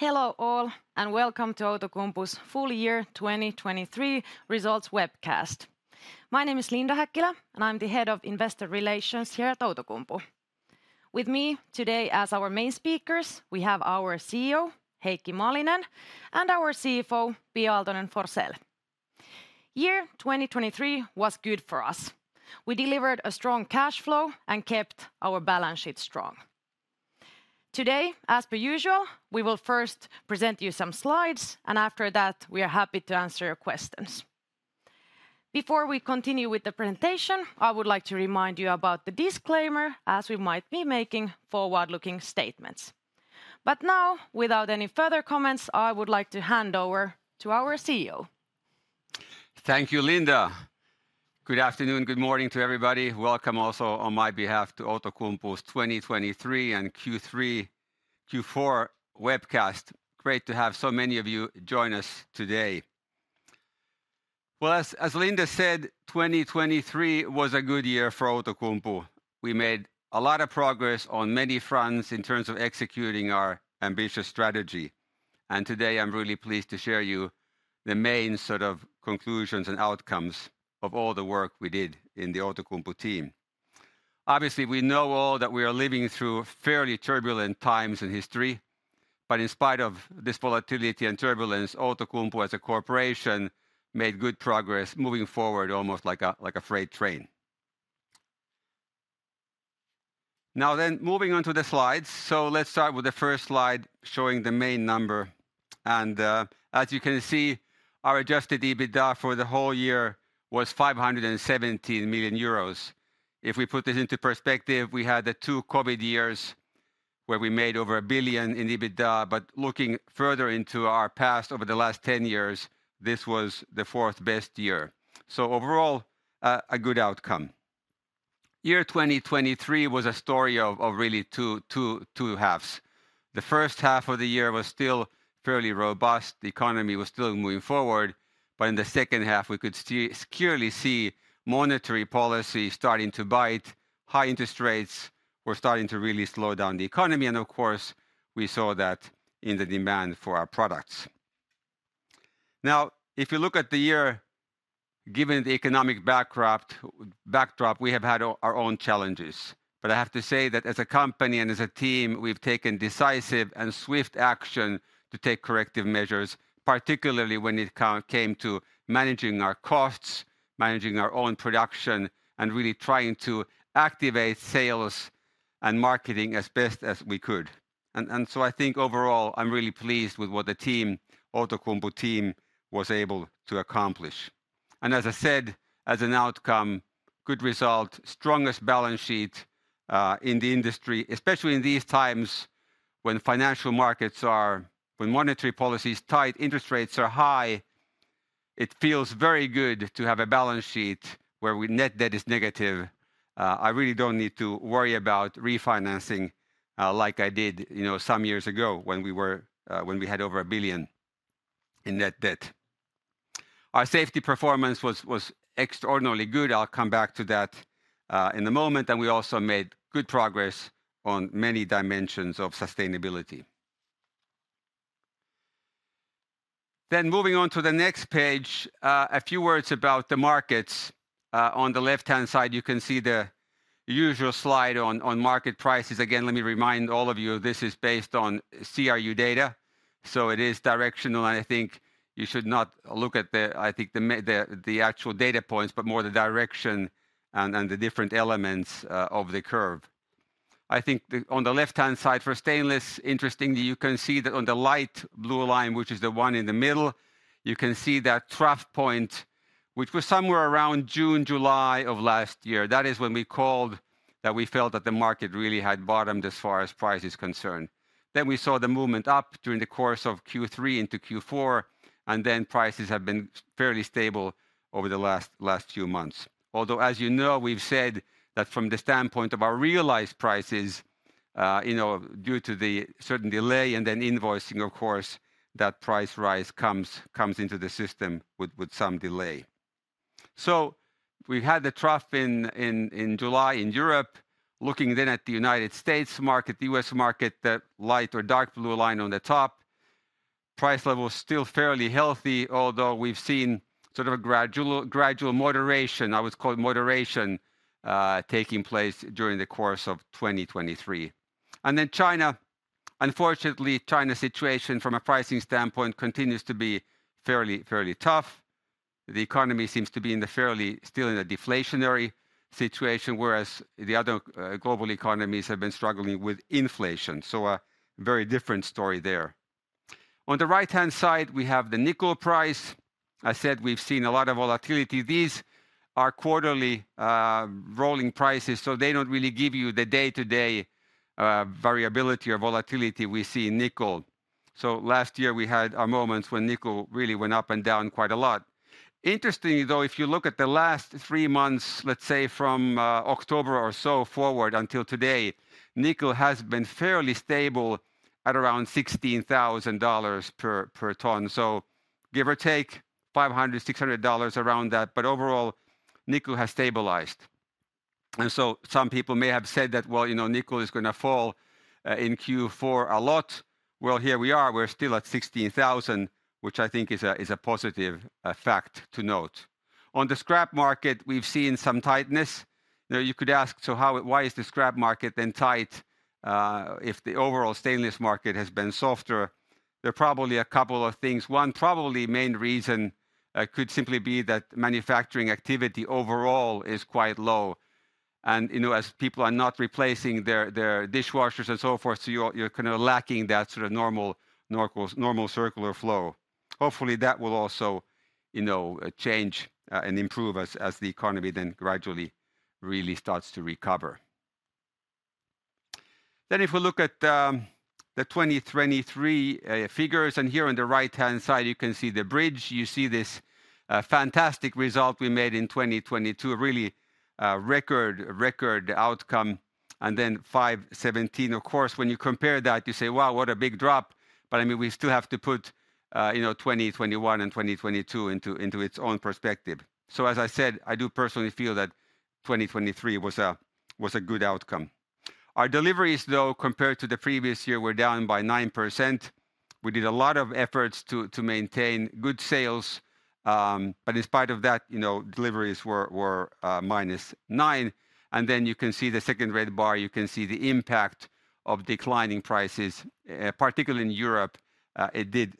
Hello all, and welcome to Outokumpu's full year 2023 results webcast. My name is Linda Häkkilä, and I'm the Head of Investor Relations here at Outokumpu. With me today as our main speakers, we have our CEO, Heikki Malinen, and our CFO, Pia Aaltonen-Forsell. Year 2023 was good for us. We delivered a strong cash flow and kept our balance sheet strong. Today, as per usual, we will first present you some slides, and after that, we are happy to answer your questions. Before we continue with the presentation, I would like to remind you about the disclaimer, as we might be making forward-looking statements. But now, without any further comments, I would like to hand over to our CEO. Thank you, Linda. Good afternoon, good morning to everybody. Welcome also on my behalf to Outokumpu's 2023 and Q3, Q4 webcast. Great to have so many of you join us today. Well, as, as Linda said, 2023 was a good year for Outokumpu. We made a lot of progress on many fronts in terms of executing our ambitious strategy. And today, I'm really pleased to share you the main sort of conclusions and outcomes of all the work we did in the Outokumpu team. Obviously, we know all that we are living through fairly turbulent times in history, but in spite of this volatility and turbulence, Outokumpu, as a corporation, made good progress moving forward almost like a, like a freight train. Now then, moving on to the slides. So let's start with the first slide, showing the main number. As you can see, our Adjusted EBITDA for the whole year was 517 million euros. If we put this into perspective, we had the two COVID years, where we made over 1 billion in EBITDA, but looking further into our past over the last 10 years, this was the fourth-best year. So overall, a good outcome. Year 2023 was a story of really two halves. The first half of the year was still fairly robust. The economy was still moving forward, but in the second half, we could clearly see monetary policy starting to bite. High interest rates were starting to really slow down the economy, and of course, we saw that in the demand for our products. Now, if you look at the year, given the economic backdrop, we have had our own challenges. But I have to say that as a company and as a team, we've taken decisive and swift action to take corrective measures, particularly when it came to managing our costs, managing our own production, and really trying to activate sales and marketing as best as we could. And so I think overall, I'm really pleased with what the team, Outokumpu team, was able to accomplish. And as I said, as an outcome, good result, strongest balance sheet in the industry, especially in these times when monetary policy is tight, interest rates are high, it feels very good to have a balance sheet where net debt is negative. I really don't need to worry about refinancing, like I did, you know, some years ago when we were when we had over 1 billion in net debt. Our safety performance was extraordinarily good. I'll come back to that in a moment, and we also made good progress on many dimensions of sustainability. Moving on to the next page, a few words about the markets. On the left-hand side, you can see the usual slide on market prices. Again, let me remind all of you, this is based on CRU data, so it is directional, and I think you should not look at the actual data points, but more the direction and the different elements of the curve. On the left-hand side, for stainless, interestingly, you can see that on the light blue line, which is the one in the middle, you can see that trough point, which was somewhere around June, July of last year. That is when we called that we felt that the market really had bottomed as far as price is concerned. Then we saw the movement up during the course of Q3 into Q4, and then prices have been fairly stable over the last few months. Although, as you know, we've said that from the standpoint of our realized prices, you know, due to the certain delay and then invoicing, of course, that price rise comes into the system with some delay. So we had the trough in July in Europe. Looking then at the United States market, the U.S. market, the light or dark blue line on the top, price level is still fairly healthy, although we've seen sort of a gradual moderation, I would call it moderation, taking place during the course of 2023. And then China. Unfortunately, China's situation, from a pricing standpoint, continues to be fairly, fairly tough. The economy seems to be in the fairly, still in a deflationary situation, whereas the other global economies have been struggling with inflation. So a very different story there. On the right-hand side, we have the nickel price. I said we've seen a lot of volatility. These are quarterly rolling prices, so they don't really give you the day-to-day variability or volatility we see in nickel. So last year, we had our moments when nickel really went up and down quite a lot. Interestingly, though, if you look at the last three months, let's say from October or so forward until today, nickel has been fairly stable at around $16,000 per ton. So give or take $500-$600 around that, but overall, nickel has stabilized.... So some people may have said that, "Well, you know, nickel is going to fall in Q4 a lot." Well, here we are. We're still at $16,000, which I think is a positive fact to note. On the scrap market, we've seen some tightness. You know, you could ask, "So why is the scrap market then tight if the overall stainless market has been softer?" There are probably a couple of things. One probably main reason could simply be that manufacturing activity overall is quite low and, you know, as people are not replacing their dishwashers and so forth, so you're kind of lacking that sort of normal circular flow. Hopefully, that will also, you know, change and improve as the economy then gradually really starts to recover. Then, if we look at the 2023 figures, and here on the right-hand side, you can see the bridge. You see this fantastic result we made in 2022, a really record outcome, and then 517. Of course, when you compare that, you say, "Wow, what a big drop!" But, I mean, we still have to put you know 2021 and 2022 into its own perspective. So as I said, I do personally feel that 2023 was a good outcome. Our deliveries, though, compared to the previous year, were down by 9%. We did a lot of efforts to maintain good sales, but in spite of that, you know, deliveries were -9, and then you can see the second red bar. You can see the impact of declining prices, particularly in Europe. It did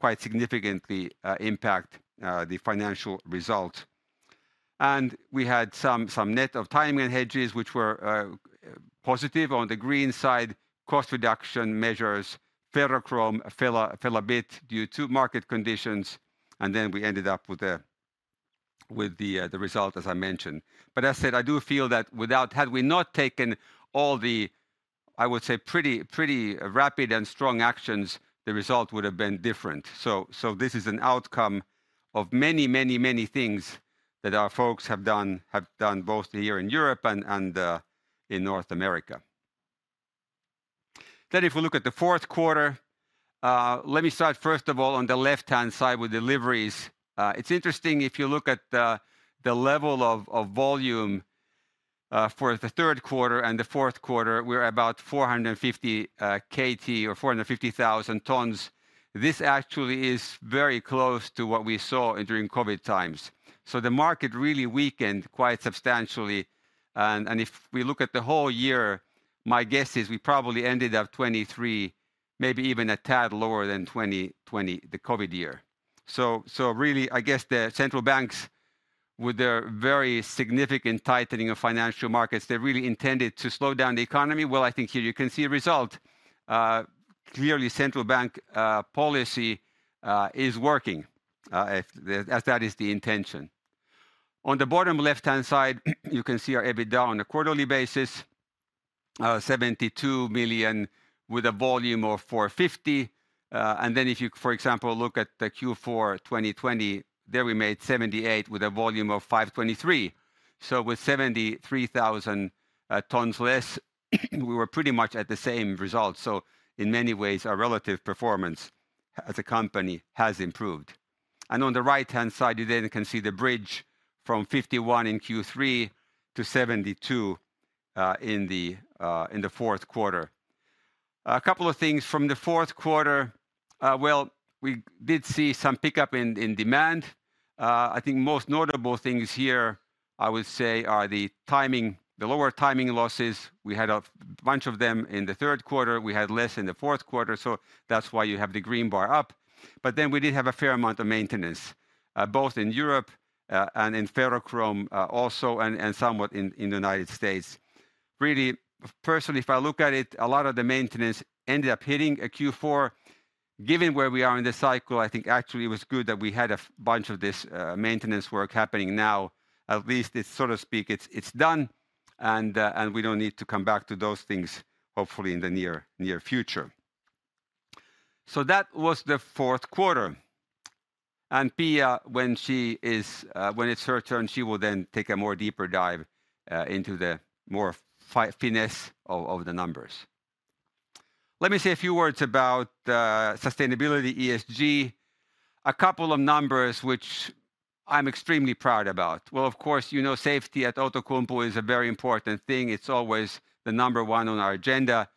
quite significantly impact the financial result. And we had some, some net of timing hedges, which were positive. On the green side, cost reduction measures, ferrochrome fell a, fell a bit due to market conditions, and then we ended up with the, with the result, as I mentioned. But as I said, I do feel that without, had we not taken all the, I would say, pretty, pretty rapid and strong actions, the result would have been different. So, so this is an outcome of many, many, many things that our folks have done, have done, both here in Europe and, and in North America. Then, if we look at the fourth quarter, let me start, first of all, on the left-hand side with deliveries. It's interesting, if you look at the level of volume for the third quarter and the fourth quarter, we're about 450 KT or 450,000 tons. This actually is very close to what we saw during COVID times. So the market really weakened quite substantially, and if we look at the whole year, my guess is we probably ended up 2023, maybe even a tad lower than 2020, the COVID year. So really, I guess the central banks, with their very significant tightening of financial markets, they really intended to slow down the economy. Well, I think here you can see a result. Clearly, central bank policy is working, if- as that is the intention. On the bottom left-hand side, you can see our EBITDA on a quarterly basis, 72 million with a volume of 450. And then if you, for example, look at the Q4 2020, there we made 78 million with a volume of 523. So with 73,000 tons less, we were pretty much at the same result. So in many ways, our relative performance as a company has improved. And on the right-hand side, you then can see the bridge from 51 million in Q3 to 72 million in the fourth quarter. A couple of things from the fourth quarter, well, we did see some pickup in demand. I think most notable things here, I would say, are the timing, the lower timing losses. We had a bunch of them in the third quarter. We had less in the fourth quarter, so that's why you have the green bar up. But then we did have a fair amount of maintenance, both in Europe, and in ferrochrome, also, and somewhat in the United States. Really, personally, if I look at it, a lot of the maintenance ended up hitting at Q4. Given where we are in the cycle, I think actually it was good that we had a bunch of this maintenance work happening now. At least it sort of speak, it's done, and we don't need to come back to those things, hopefully, in the near future. So that was the fourth quarter, and Pia, when it's her turn, she will then take a more deeper dive into the more finesse of the numbers. Let me say a few words about sustainability, ESG. A couple of numbers, which I'm extremely proud about. Well, of course, you know, safety at Outokumpu is a very important thing. It's always the number one on our agenda.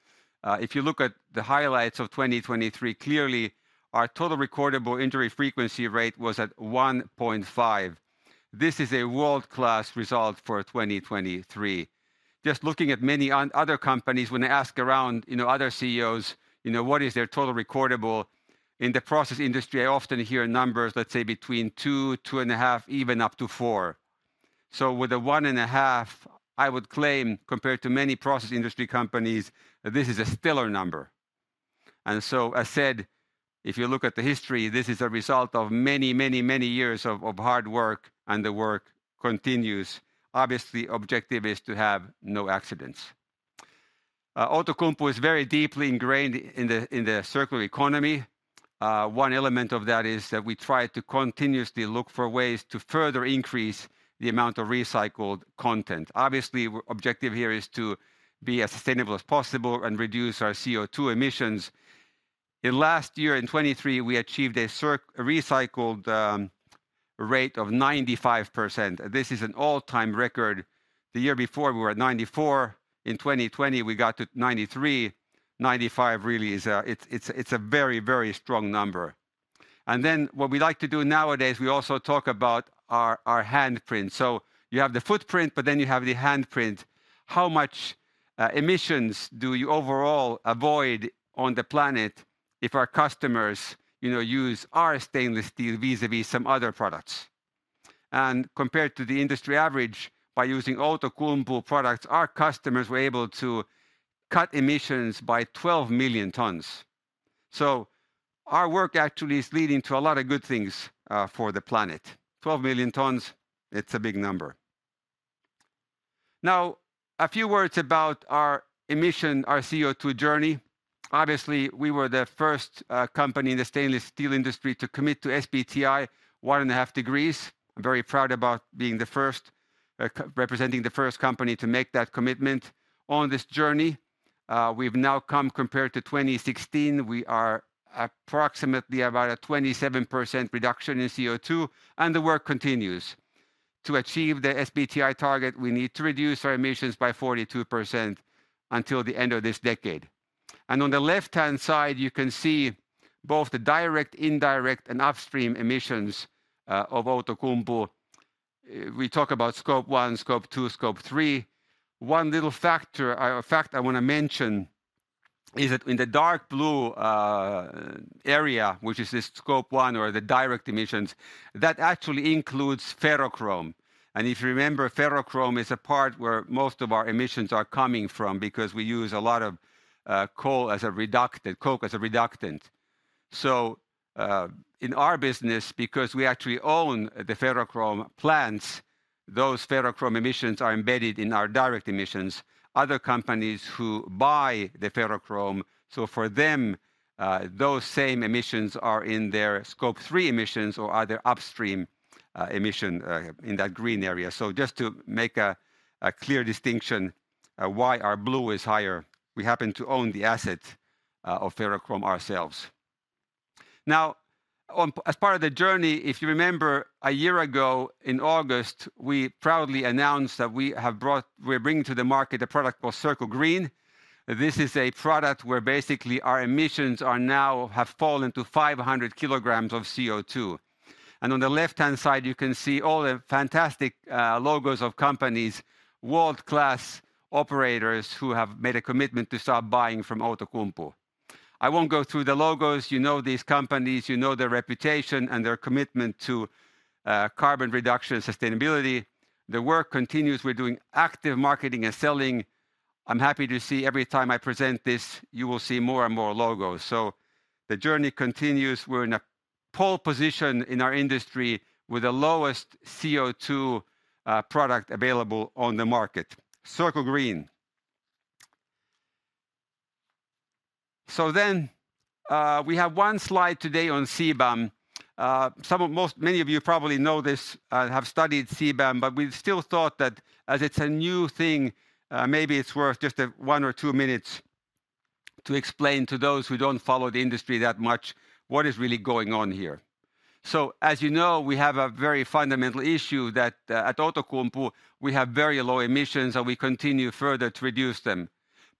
If you look at the highlights of 2023, clearly, our total recordable injury frequency rate was at 1.5. This is a world-class result for 2023. Just looking at many other companies, when I ask around, you know, other CEOs, you know, what is their total recordable in the process industry, I often hear numbers, let's say, between 2-2.5, even up to 4. So with a 1.5, I would claim, compared to many process industry companies, this is a stellar number. And so I said, if you look at the history, this is a result of many, many, many years of hard work, and the work continues. Obviously, objective is to have no accidents. Outokumpu is very deeply ingrained in the circular economy. One element of that is that we try to continuously look for ways to further increase the amount of recycled content. Obviously, objective here is to be as sustainable as possible and reduce our CO2 emissions. In 2023, we achieved a recycled rate of 95%. This is an all-time record. The year before, we were at 94. In 2020, we got to 93. 95 really is a very, very strong number. And then what we like to do nowadays, we also talk about our handprint. So you have the footprint, but then you have the handprint. How much emissions do you overall avoid on the planet if our customers, you know, use our stainless steel vis-à-vis some other products? And compared to the industry average, by using Outokumpu products, our customers were able to cut emissions by 12 million tons. So our work actually is leading to a lot of good things for the planet. 12 million tons, it's a big number. Now, a few words about our emission, our CO2 journey. Obviously, we were the first company in the stainless steel industry to commit to SBTi 1.5 degrees. I'm very proud about being the first, representing the first company to make that commitment on this journey. We've now come, compared to 2016, we are approximately about a 27% reduction in CO2, and the work continues. To achieve the SBTi target, we need to reduce our emissions by 42% until the end of this decade. On the left-hand side, you can see both the direct, indirect, and upstream emissions of Outokumpu. We talk about Scope 1, Scope 2, Scope 3. One little factor or fact I want to mention is that in the dark blue area, which is the Scope 1 or the direct emissions, that actually includes ferrochrome. And if you remember, ferrochrome is a part where most of our emissions are coming from because we use a lot of coal as a reductant, coke as a reductant. So, in our business, because we actually own the ferrochrome plants, those ferrochrome emissions are embedded in our direct emissions. Other companies who buy the ferrochrome, so for them, those same emissions are in their Scope 3 emissions or other upstream emission in that green area. So just to make a clear distinction, why our blue is higher, we happen to own the asset of ferrochrome ourselves. Now, as part of the journey, if you remember, a year ago, in August, we proudly announced that we're bringing to the market a product called Circle Green. This is a product where basically our emissions are now, have fallen to 500 kilograms of CO2. On the left-hand side, you can see all the fantastic, logos of companies, world-class operators, who have made a commitment to start buying from Outokumpu. I won't go through the logos. You know these companies, you know their reputation, and their commitment to, carbon reduction and sustainability. The work continues. We're doing active marketing and selling. I'm happy to see every time I present this, you will see more and more logos. The journey continues. We're in a pole position in our industry with the lowest CO2, product available on the market, Circle Green. Then, we have one slide today on CBAM. Many of you probably know this, have studied CBAM, but we still thought that as it's a new thing, maybe it's worth just one or two minutes to explain to those who don't follow the industry that much, what is really going on here. So, as you know, we have a very fundamental issue that at Outokumpu, we have very low emissions, and we continue further to reduce them.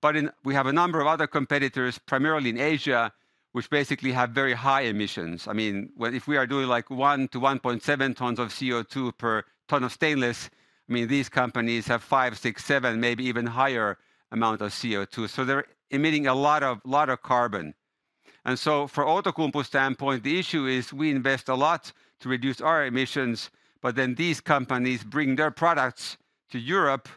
But we have a number of other competitors, primarily in Asia, which basically have very high emissions. I mean, well, if we are doing, like, 1-1.7 tons of CO2 per ton of stainless, I mean, these companies have 5, 6, 7, maybe even higher amount of CO2, so they're emitting a lot of carbon. For Outokumpu's standpoint, the issue is we invest a lot to reduce our emissions, but then these companies bring their products to Europe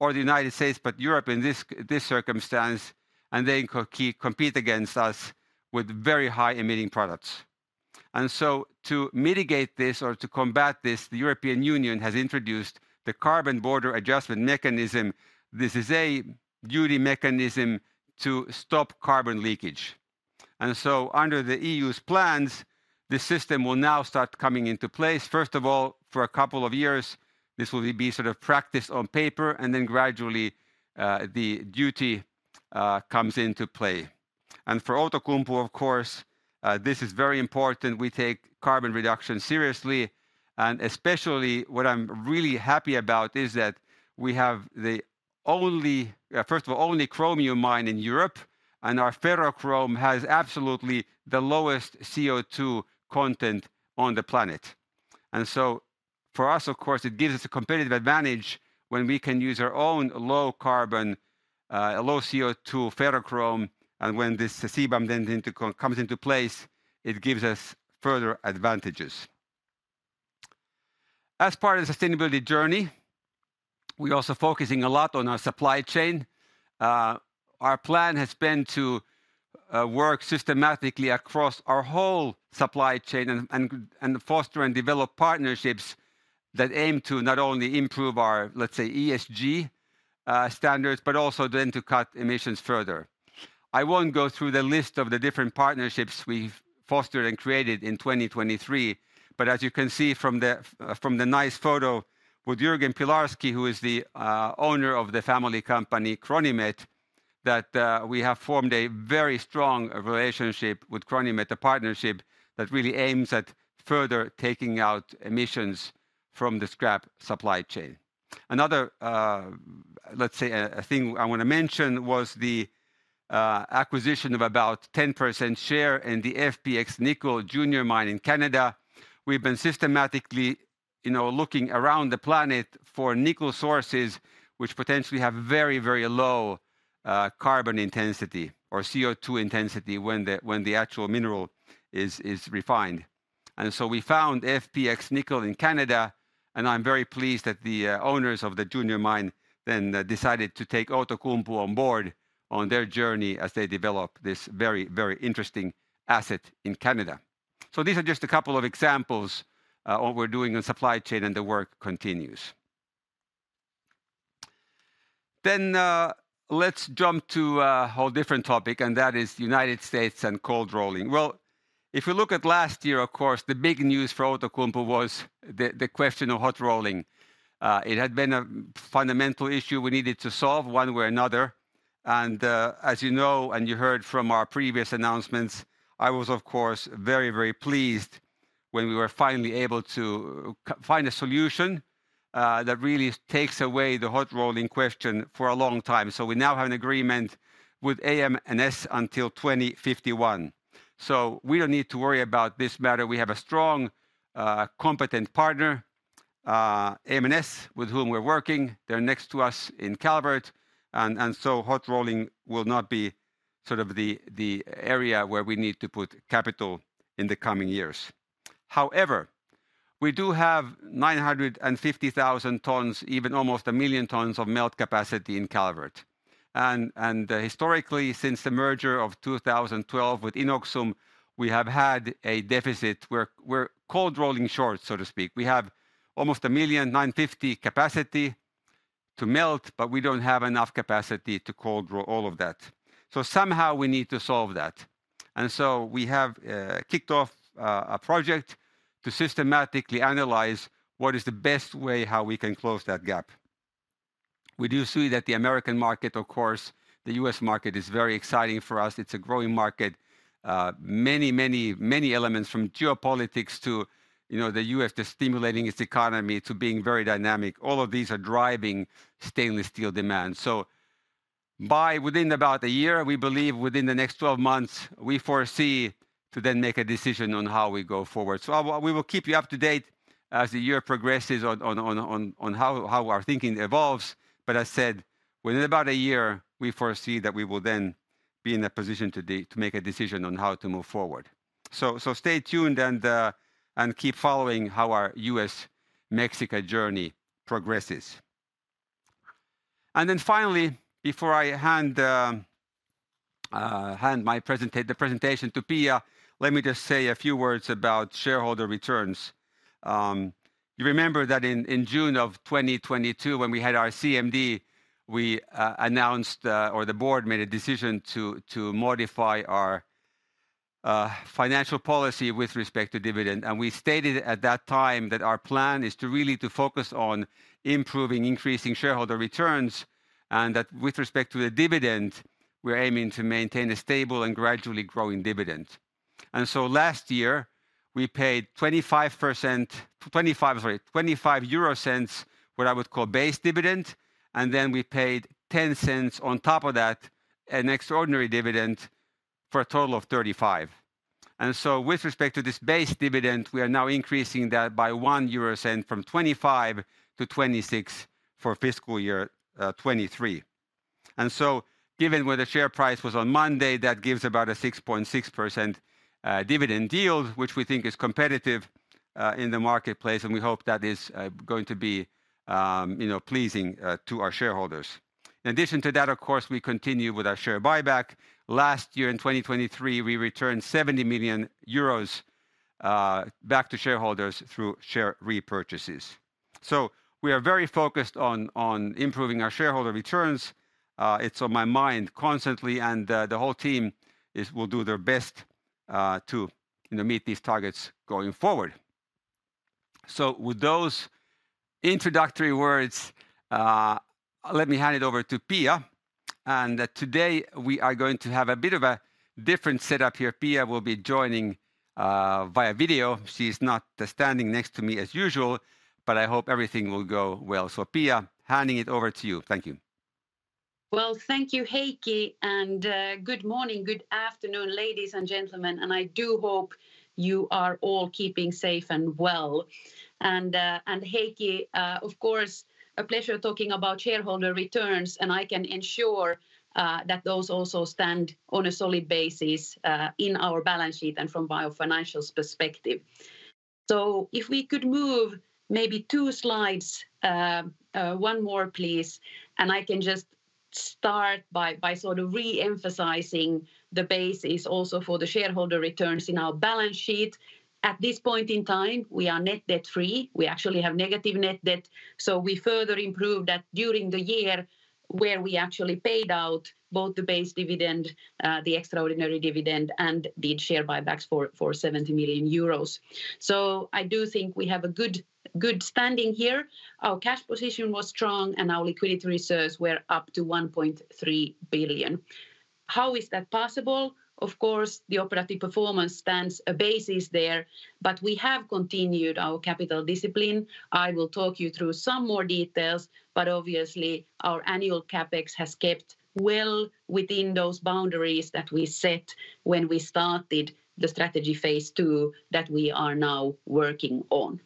or the United States, but Europe in this, this circumstance, and they compete against us with very high emitting products. To mitigate this or to combat this, the European Union has introduced the Carbon Border Adjustment Mechanism. This is a duty mechanism to stop carbon leakage. Under the EU's plans, the system will now start coming into place. First of all, for a couple of years, this will be sort of practice on paper, and then gradually, the duty comes into play. For Outokumpu, of course, this is very important. We take carbon reduction seriously, and especially what I'm really happy about is that we have the only, first of all, only chromium mine in Europe, and our ferrochrome has absolutely the lowest CO2 content on the planet. And so for us, of course, it gives us a competitive advantage when we can use our own low carbon, low CO2 ferrochrome, and when this CBAM then comes into place, it gives us further advantages. As part of the sustainability journey, we're also focusing a lot on our supply chain. Our plan has been to work systematically across our whole supply chain and foster and develop partnerships that aim to not only improve our, let's say, ESG standards, but also then to cut emissions further. I won't go through the list of the different partnerships we've fostered and created in 2023, but as you can see from the nice photo with Jürgen Pilarsky, who is the owner of the family company, CRONIMET, that we have formed a very strong relationship with CRONIMET, a partnership that really aims at further taking out emissions from the scrap supply chain. Another, let's say, a thing I wanna mention was the acquisition of about 10% share in the FPX Nickel junior mine in Canada. We've been systematically, you know, looking around the planet for nickel sources, which potentially have very, very low carbon intensity or CO2 intensity when the actual mineral is refined. And so we found FPX Nickel in Canada, and I'm very pleased that the owners of the junior mine then decided to take Outokumpu on board on their journey as they develop this very, very interesting asset in Canada. So these are just a couple of examples what we're doing in supply chain, and the work continues. Then let's jump to a whole different topic, and that is the United States and cold rolling. Well, if you look at last year, of course, the big news for Outokumpu was the question of hot rolling. It had been a fundamental issue we needed to solve one way or another, and as you know, and you heard from our previous announcements, I was, of course, very, very pleased when we were finally able to find a solution that really takes away the hot rolling question for a long time. So we now have an agreement with AM/NS until 2051. So we don't need to worry about this matter. We have a strong, competent partner, AM/NS, with whom we're working. They're next to us in Calvert, and so hot rolling will not be sort of the area where we need to put capital in the coming years. However, we do have 950,000 tons, even almost a million tons of melt capacity in Calvert. Historically, since the merger in 2012 with Inoxum, we have had a deficit. We're cold rolling short, so to speak. We have almost 1 million, 950 capacity to melt, but we don't have enough capacity to cold roll all of that. So somehow we need to solve that. And so we have kicked off a project to systematically analyze what is the best way, how we can close that gap. We do see that the American market, of course, the U.S. market is very exciting for us. It's a growing market. Many, many, many elements, from geopolitics to, you know, the U.S. just stimulating its economy to being very dynamic, all of these are driving stainless steel demand. So by within about a year, we believe within the next 12 months, we foresee to then make a decision on how we go forward. We will keep you up to date as the year progresses on how our thinking evolves. But as said, within about a year, we foresee that we will then be in a position to make a decision on how to move forward. So stay tuned and keep following how our US-Mexico journey progresses. And then finally, before I hand the presentation to Pia, let me just say a few words about shareholder returns. You remember that in June of 2022, when we had our CMD, we announced or the board made a decision to modify our financial policy with respect to dividend. We stated at that time that our plan is to really focus on improving, increasing shareholder returns, and that with respect to the dividend, we're aiming to maintain a stable and gradually growing dividend. So last year, we paid 0.25, what I would call base dividend, and then we paid 0.10 on top of that, an extraordinary dividend, for a total of 0.35. And so with respect to this base dividend, we are now increasing that by 0.01 from 0.25 to 0.26 for fiscal year 2023. And so given where the share price was on Monday, that gives about a 6.6% dividend yield, which we think is competitive in the marketplace, and we hope that is going to be, you know, pleasing to our shareholders. In addition to that, of course, we continue with our share buyback. Last year, in 2023, we returned 70 million euros back to shareholders through share repurchases. So we are very focused on improving our shareholder returns. It's on my mind constantly, and the whole team will do their best to you know meet these targets going forward. So with those introductory words, let me hand it over to Pia, and today, we are going to have a bit of a different setup here. Pia will be joining via video. She's not standing next to me as usual, but I hope everything will go well. So, Pia, handing it over to you. Thank you. Well, thank you, Heikki, and good morning, good afternoon, ladies and gentlemen, and I do hope you are all keeping safe and well. And, Heikki, of course, a pleasure talking about shareholder returns, and I can ensure that those also stand on a solid basis in our balance sheet and from a financial perspective. So if we could move maybe two slides, one more, please, and I can just start by sort of re-emphasizing the basis also for the shareholder returns in our balance sheet. At this point in time, we are net debt-free. We actually have negative net debt, so we further improved that during the year where we actually paid out both the base dividend, the extraordinary dividend, and did share buybacks for 70 million euros. So I do think we have a good, good standing here. Our cash position was strong, and our liquidity reserves were up to 1.3 billion. How is that possible? Of course, the operative performance stands a basis there, but we have continued our capital discipline. I will talk you through some more details, but obviously our annual CapEx has kept well within those boundaries that we set when we started the strategy phase two that we are now working on.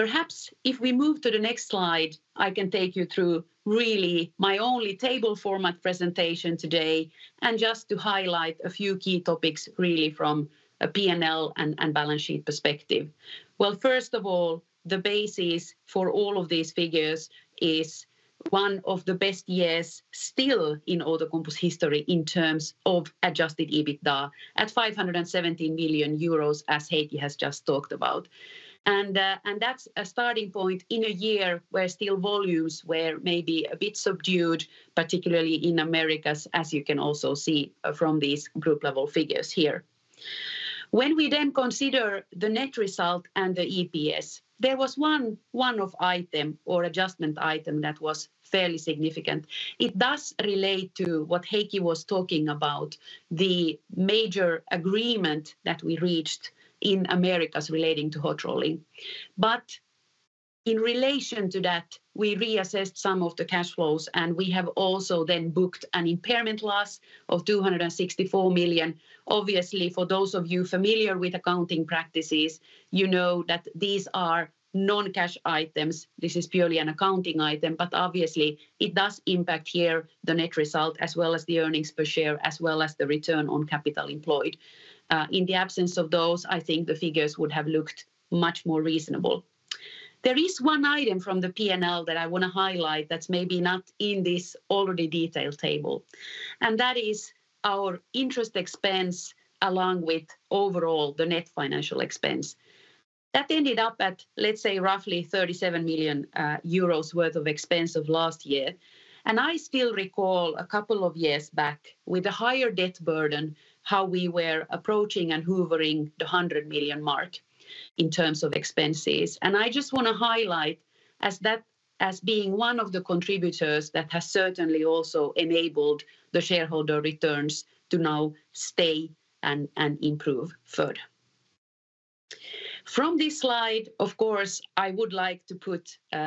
Perhaps if we move to the next slide, I can take you through really my only table format presentation today, and just to highlight a few key topics really from a P&L and balance sheet perspective. Well, first of all, the basis for all of these figures is one of the best years still in Outokumpu's history in terms of Adjusted EBITDA at 570 million euros, as Heikki has just talked about. And that's a starting point in a year where steel volumes were maybe a bit subdued, particularly in Americas, as you can also see from these group level figures here. When we then consider the net result and the EPS, there was one item or adjustment item that was fairly significant. It does relate to what Heikki was talking about, the major agreement that we reached in Americas relating to hot rolling. But in relation to that, we reassessed some of the cash flows, and we have also then booked an impairment loss of 264 million. Obviously, for those of you familiar with accounting practices, you know that these are non-cash items. This is purely an accounting item, but obviously it does impact here the net result, as well as the earnings per share, as well as the return on capital employed. In the absence of those, I think the figures would have looked much more reasonable. There is one item from the P&L that I want to highlight that's maybe not in this already detailed table, and that is our interest expense, along with overall the net financial expense. That ended up at, let's say, roughly 37 million euros worth of expense of last year. I still recall a couple of years back, with a higher debt burden, how we were approaching and hovering the 100 million mark in terms of expenses. I just want to highlight as that... as being one of the contributors that has certainly also enabled the shareholder returns to now stay and, and improve further. From this slide, of course, I would like to put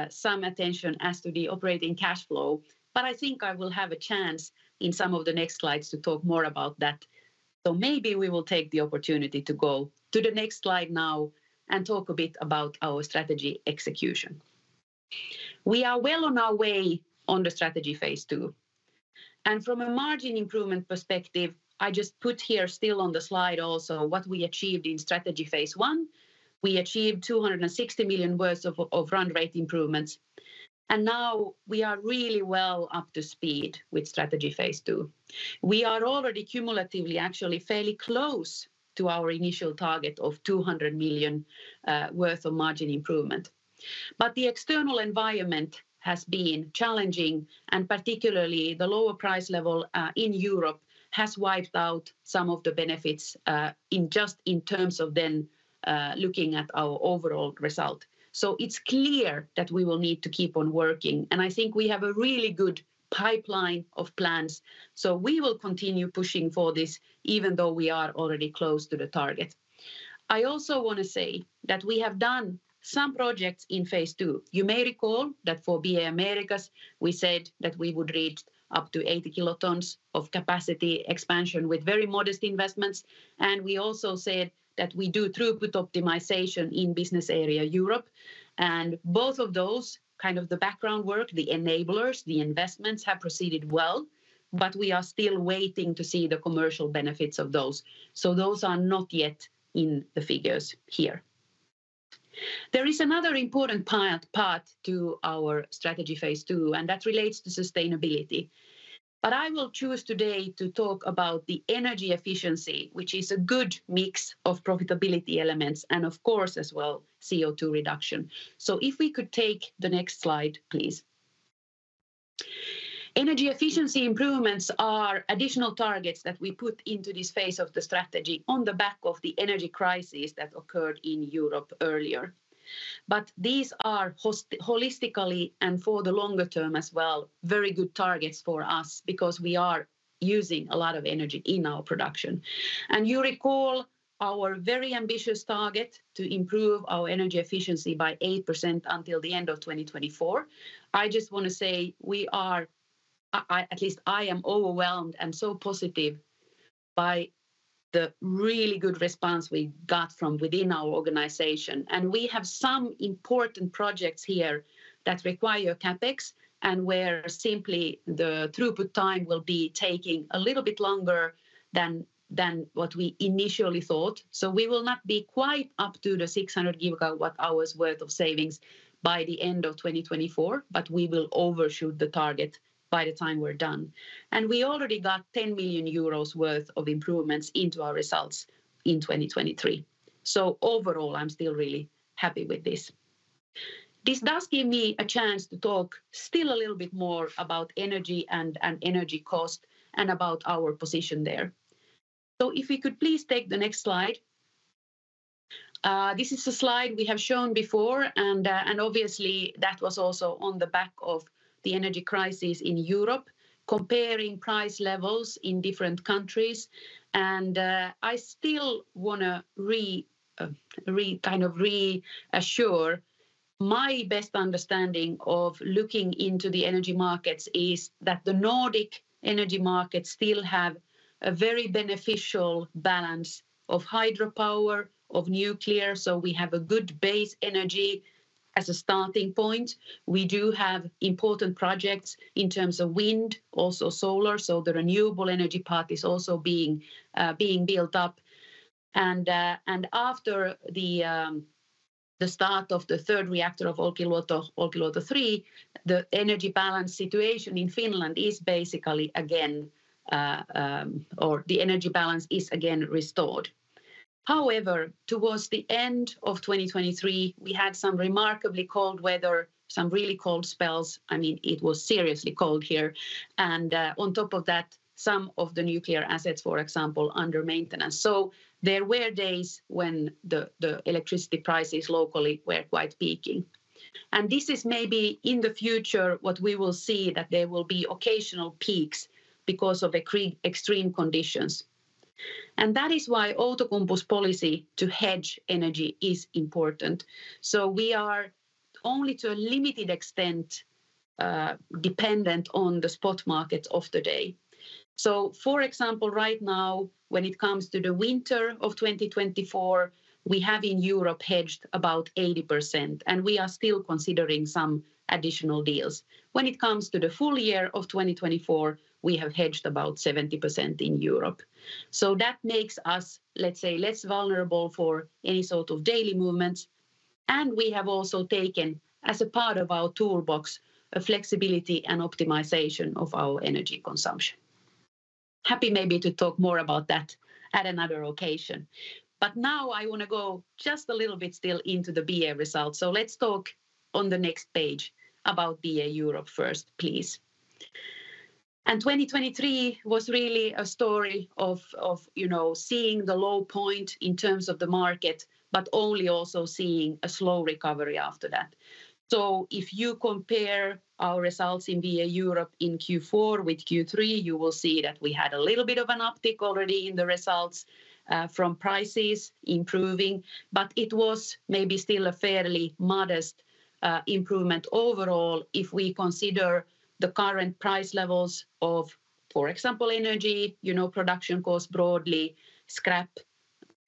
some attention as to the operating cash flow, but I think I will have a chance in some of the next slides to talk more about that. So maybe we will take the opportunity to go to the next slide now and talk a bit about our strategy execution. We are well on our way on the strategy phase two, and from a margin improvement perspective, I just put here still on the slide also what we achieved in strategy phase one. We achieved 260 million worth of run rate improvements, and now we are really well up to speed with strategy phase two. We are already cumulatively actually fairly close to our initial target of 200 million worth of margin improvement. But the external environment has been challenging, and particularly the lower price level in Europe has wiped out some of the benefits in just in terms of then looking at our overall result. So it's clear that we will need to keep on working, and I think we have a really good pipeline of plans. So we will continue pushing for this, even though we are already close to the target. I also want to say that we have done some projects in phase two. You may recall that for BA Americas, we said that we would reach up to 80 kilotons of capacity expansion with very modest investments, and we also said that we do throughput optimization in business area Europe. Both of those, kind of the background work, the enablers, the investments, have proceeded well, but we are still waiting to see the commercial benefits of those. So those are not yet in the figures here. There is another important part to our strategy phase two, and that relates to sustainability. But I will choose today to talk about the energy efficiency, which is a good mix of profitability elements, and of course, as well, CO2 reduction. So if we could take the next slide, please. Energy efficiency improvements are additional targets that we put into this phase of the strategy on the back of the energy crisis that occurred in Europe earlier. But these are holistically, and for the longer term as well, very good targets for us because we are using a lot of energy in our production. You recall our very ambitious target to improve our energy efficiency by 8% until the end of 2024. I just want to say we are, at least I am overwhelmed and so positive by the really good response we got from within our organization. We have some important projects here that require CapEx, and where simply the throughput time will be taking a little bit longer than what we initially thought. So we will not be quite up to the 600 GWh worth of savings by the end of 2024, but we will overshoot the target by the time we're done. We already got 10 million euros worth of improvements into our results in 2023. So overall, I'm still really happy with this. This does give me a chance to talk still a little bit more about energy and energy cost and about our position there. So if we could please take the next slide. This is a slide we have shown before, and obviously, that was also on the back of the energy crisis in Europe, comparing price levels in different countries. And I still want to reassure my best understanding of looking into the energy markets is that the Nordic energy markets still have a very beneficial balance of hydropower, of nuclear, so we have a good base energy as a starting point. We do have important projects in terms of wind, also solar, so the renewable energy part is also being built up. And after the start of the third reactor of Olkiluoto, Olkiluoto 3, the energy balance situation in Finland is basically again, or the energy balance is again restored. However, towards the end of 2023, we had some remarkably cold weather, some really cold spells. I mean, it was seriously cold here, and on top of that, some of the nuclear assets, for example, under maintenance. So there were days when the electricity prices locally were quite peaking. And this is maybe in the future what we will see, that there will be occasional peaks because of extreme conditions. And that is why Outokumpu's policy to hedge energy is important. So we are only to a limited extent dependent on the spot market of the day. So for example, right now, when it comes to the winter of 2024, we have in Europe hedged about 80%, and we are still considering some additional deals. When it comes to the full year of 2024, we have hedged about 70% in Europe. So that makes us, let's say, less vulnerable for any sort of daily movements, and we have also taken, as a part of our toolbox, a flexibility and optimization of our energy consumption. Happy maybe to talk more about that at another occasion. But now I want to go just a little bit still into the BA results. So let's talk on the next page about BA Europe first, please. 2023 was really a story of, you know, seeing the low point in terms of the market, but only also seeing a slow recovery after that. So if you compare our results in BA Europe in Q4 with Q3, you will see that we had a little bit of an uptick already in the results from prices improving, but it was maybe still a fairly modest improvement overall if we consider the current price levels of, for example, energy, you know, production costs broadly, scrap,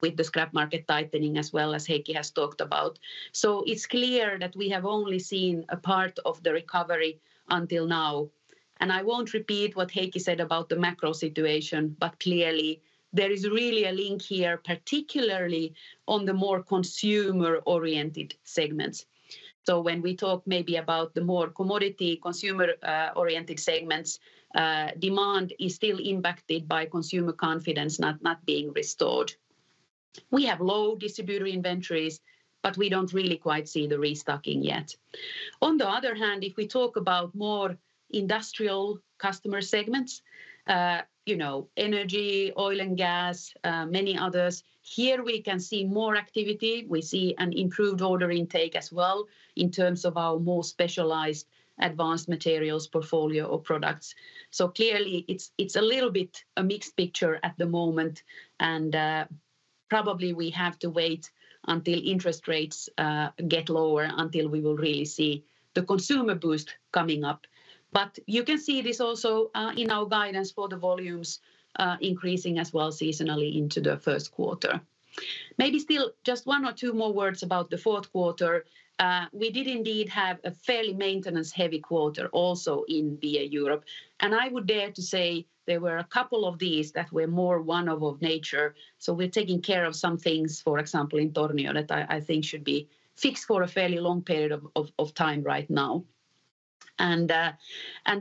with the scrap market tightening as well, as Heikki has talked about. So it's clear that we have only seen a part of the recovery until now, and I won't repeat what Heikki said about the macro situation, but clearly there is really a link here, particularly on the more consumer-oriented segments. So when we talk maybe about the more commodity consumer oriented segments, demand is still impacted by consumer confidence not being restored. We have low distributor inventories, but we don't really quite see the restocking yet. On the other hand, if we talk about more industrial customer segments, you know, energy, oil and gas, many others, here we can see more activity. We see an improved order intake as well in terms of our more specialized advanced materials portfolio or products. So clearly, it's a little bit a mixed picture at the moment, and probably we have to wait until interest rates get lower until we will really see the consumer boost coming up. But you can see this also in our guidance for the volumes increasing as well seasonally into the first quarter. Maybe still just one or two more words about the fourth quarter. We did indeed have a fairly maintenance-heavy quarter also in BA Europe, and I would dare to say there were a couple of these that were more one-off of nature. So we're taking care of some things, for example, in Tornio, that I think should be fixed for a fairly long period of time right now. And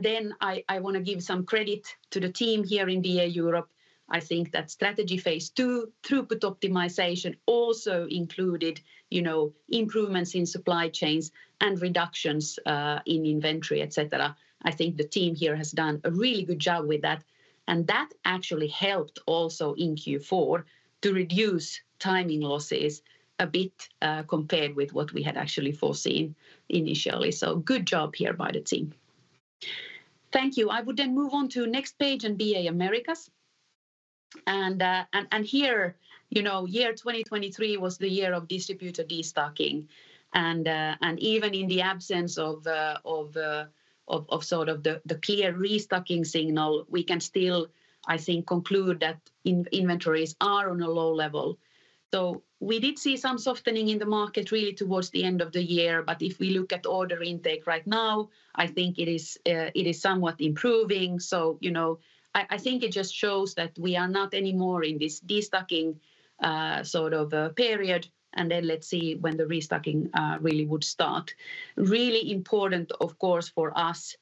then I want to give some credit to the team here in BA Europe. I think that strategy phase two, throughput optimization, also included, you know, improvements in supply chains and reductions in inventory, et cetera. I think the team here has done a really good job with that, and that actually helped also in Q4 to reduce timing losses a bit, compared with what we had actually foreseen initially. So good job here by the team. Thank you. I would then move on to next page in BA Americas. And here, you know, year 2023 was the year of distributor destocking. And even in the absence of sort of the clear restocking signal, we can still, I think, conclude that inventories are on a low level. So we did see some softening in the market really towards the end of the year, but if we look at order intake right now, I think it is somewhat improving. So, you know, I think it just shows that we are not anymore in this destocking sort of a period, and then let's see when the restocking really would start. Really important, of course, for us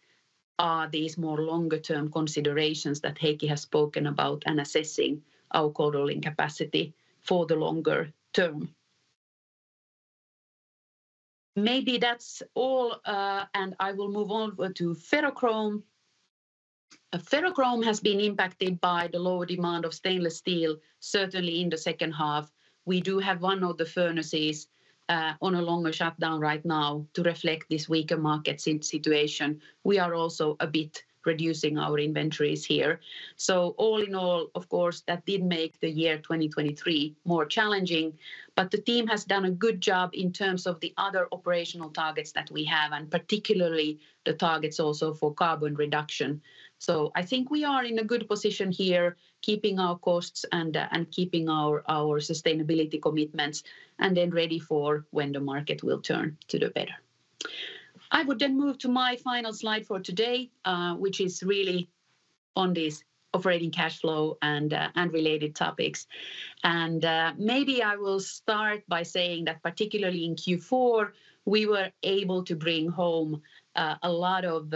are these more longer-term considerations that Heikki has spoken about and assessing our cold rolling capacity for the longer term. Maybe that's all, and I will move on to ferrochrome. Ferrochrome has been impacted by the lower demand of stainless steel, certainly in the second half. We do have one of the furnaces on a longer shutdown right now to reflect this weaker market situation. We are also a bit reducing our inventories here. So all in all, of course, that did make the year 2023 more challenging, but the team has done a good job in terms of the other operational targets that we have, and particularly the targets also for carbon reduction. So I think we are in a good position here, keeping our costs and, and keeping our sustainability commitments, and then ready for when the market will turn to the better. I would then move to my final slide for today, which is really on this operating cash flow and, and related topics. And, maybe I will start by saying that particularly in Q4, we were able to bring home, a lot of,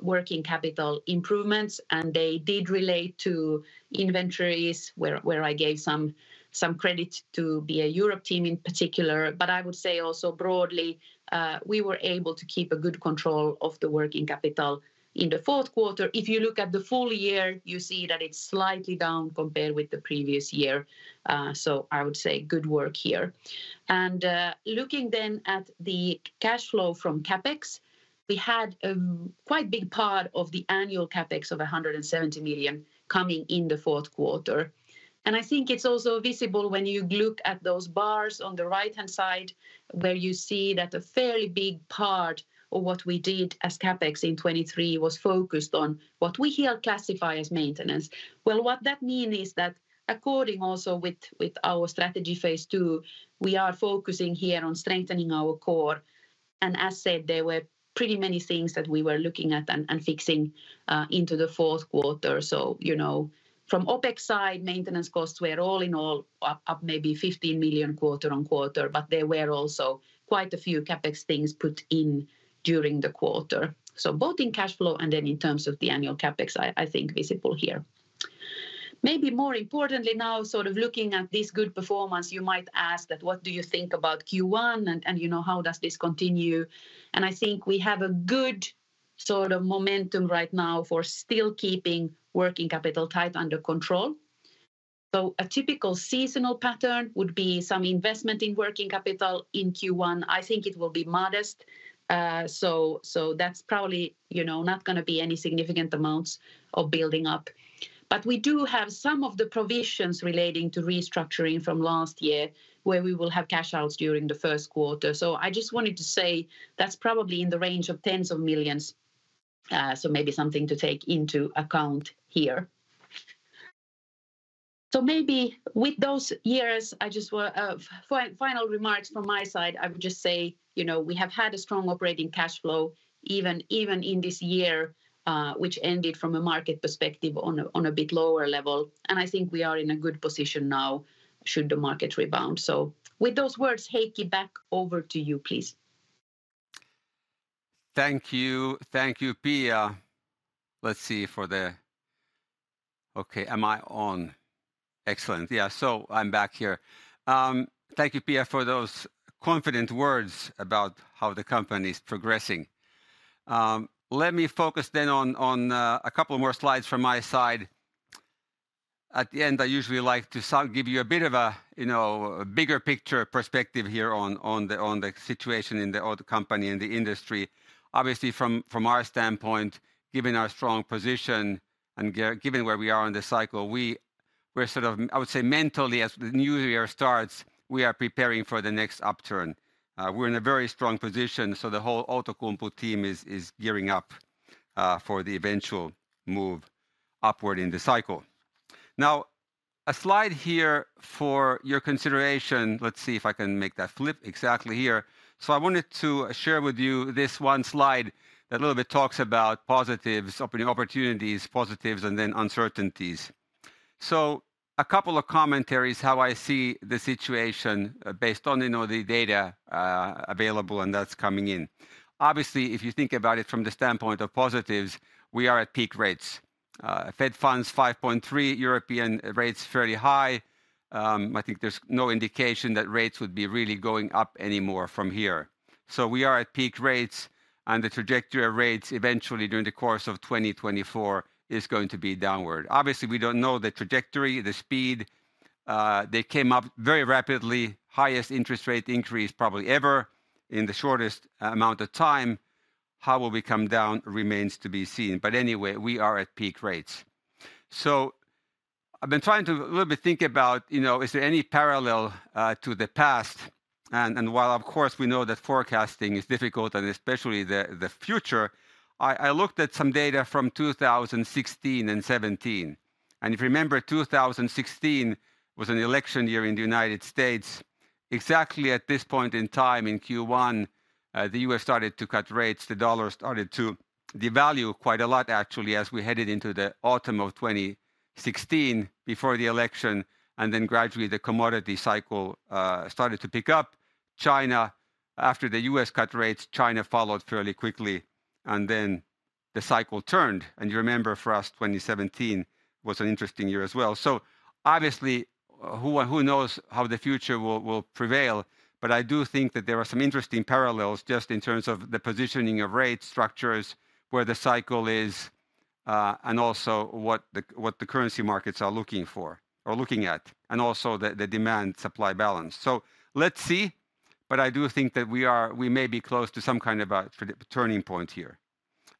working capital improvements, and they did relate to inventories, where I gave some credit to the Europe team in particular. But I would say also broadly, we were able to keep a good control of the working capital in the fourth quarter. If you look at the full year, you see that it's slightly down compared with the previous year. So I would say good work here. And, looking then at the cash flow from CapEx, we had a quite big part of the annual CapEx of 170 million coming in the fourth quarter. And I think it's also visible when you look at those bars on the right-hand side, where you see that a fairly big part of what we did as CapEx in 2023 was focused on what we here classify as maintenance. Well, what that mean is that according also with, with our strategy phase two, we are focusing here on strengthening our core, and as said, there were pretty many things that we were looking at and, and fixing, into the fourth quarter. You know, from OpEx side, maintenance costs were all in all up, up maybe 15 million quarter on quarter, but there were also quite a few CapEx things put in during the quarter. Both in cash flow and then in terms of the annual CapEx, I, I think visible here. Maybe more importantly now, sort of looking at this good performance, you might ask that what do you think about Q1, and you know, how does this continue? I think we have a good sort of momentum right now for still keeping working capital tight under control. A typical seasonal pattern would be some investment in working capital in Q1. I think it will be modest. So that's probably, you know, not going to be any significant amounts of building up. But we do have some of the provisions relating to restructuring from last year, where we will have cash outs during the first quarter. So I just wanted to say that's probably in the range of tens of millions EUR, so maybe something to take into account here. So maybe with those years, I just final remarks from my side, I would just say, you know, we have had a strong operating cash flow, even in this year, which ended from a market perspective on a bit lower level, and I think we are in a good position now should the market rebound. So with those words, Heikki, back over to you, please. Thank you. Thank you, Pia. Let's see. Okay, am I on? Excellent. Yeah, so I'm back here. Thank you, Pia, for those confident words about how the company is progressing. Let me focus then on, on, a couple more slides from my side. At the end, I usually like to give you a bit of a, you know, a bigger picture perspective here on, on the, on the situation in the auto company and the industry. Obviously, from our standpoint, given our strong position and given where we are in the cycle, we're sort of, I would say, mentally, as the new year starts, we are preparing for the next upturn. We're in a very strong position, so the whole Outokumpu team is, is gearing up, for the eventual move upward in the cycle. Now, a slide here for your consideration. Let's see if I can make that flip exactly here. So I wanted to share with you this one slide that a little bit talks about positives, opening opportunities, positives, and then uncertainties. So a couple of commentaries, how I see the situation based on, you know, the data available and that's coming in. Obviously, if you think about it from the standpoint of positives, we are at peak rates. Fed Funds 5.3, European rates fairly high. I think there's no indication that rates would be really going up any more from here. So we are at peak rates, and the trajectory of rates eventually during the course of 2024 is going to be downward. Obviously, we don't know the trajectory, the speed. They came up very rapidly, highest interest rate increase probably ever in the shortest amount of time. How will we come down remains to be seen, but anyway, we are at peak rates. So I've been trying to a little bit think about, you know, is there any parallel to the past? And while, of course, we know that forecasting is difficult, and especially the future, I looked at some data from 2016 and 2017, and if you remember, 2016 was an election year in the United States. Exactly at this point in time, in Q1, the U.S. started to cut rates. The dollar started to devalue quite a lot, actually, as we headed into the autumn of 2016 before the election, and then gradually, the commodity cycle started to pick up. China, after the US cut rates, China followed fairly quickly, and then the cycle turned, and you remember for us, 2017 was an interesting year as well. So obviously, who knows how the future will prevail? But I do think that there are some interesting parallels just in terms of the positioning of rate structures, where the cycle is, and also what the currency markets are looking for or looking at, and also the demand-supply balance. So let's see, but I do think that we may be close to some kind of a turning point here.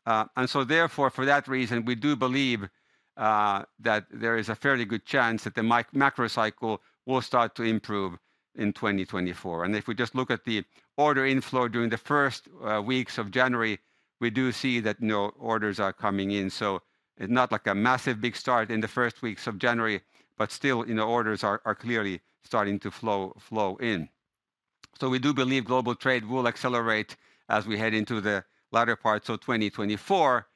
And so therefore, for that reason, we do believe that there is a fairly good chance that the macro cycle will start to improve in 2024. And if we just look at the order inflow during the first weeks of January, we do see that no orders are coming in, so it's not like a massive, big start in the first weeks of January, but still, you know, orders are clearly starting to flow in. So we do believe global trade will accelerate as we head into the latter parts of 2024.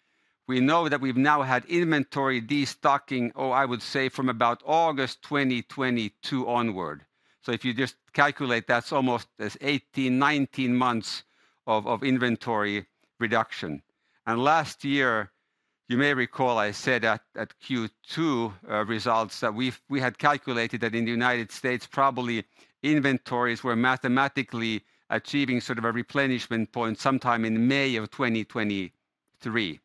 We know that we've now had inventory destocking, or I would say, from about August 2022 onward. So if you just calculate, that's almost 18, 19 months of inventory reduction. And last year, you may recall, I said at Q2 results, that we've—we had calculated that in the United States, probably inventories were mathematically achieving sort of a replenishment point sometime in May 2023.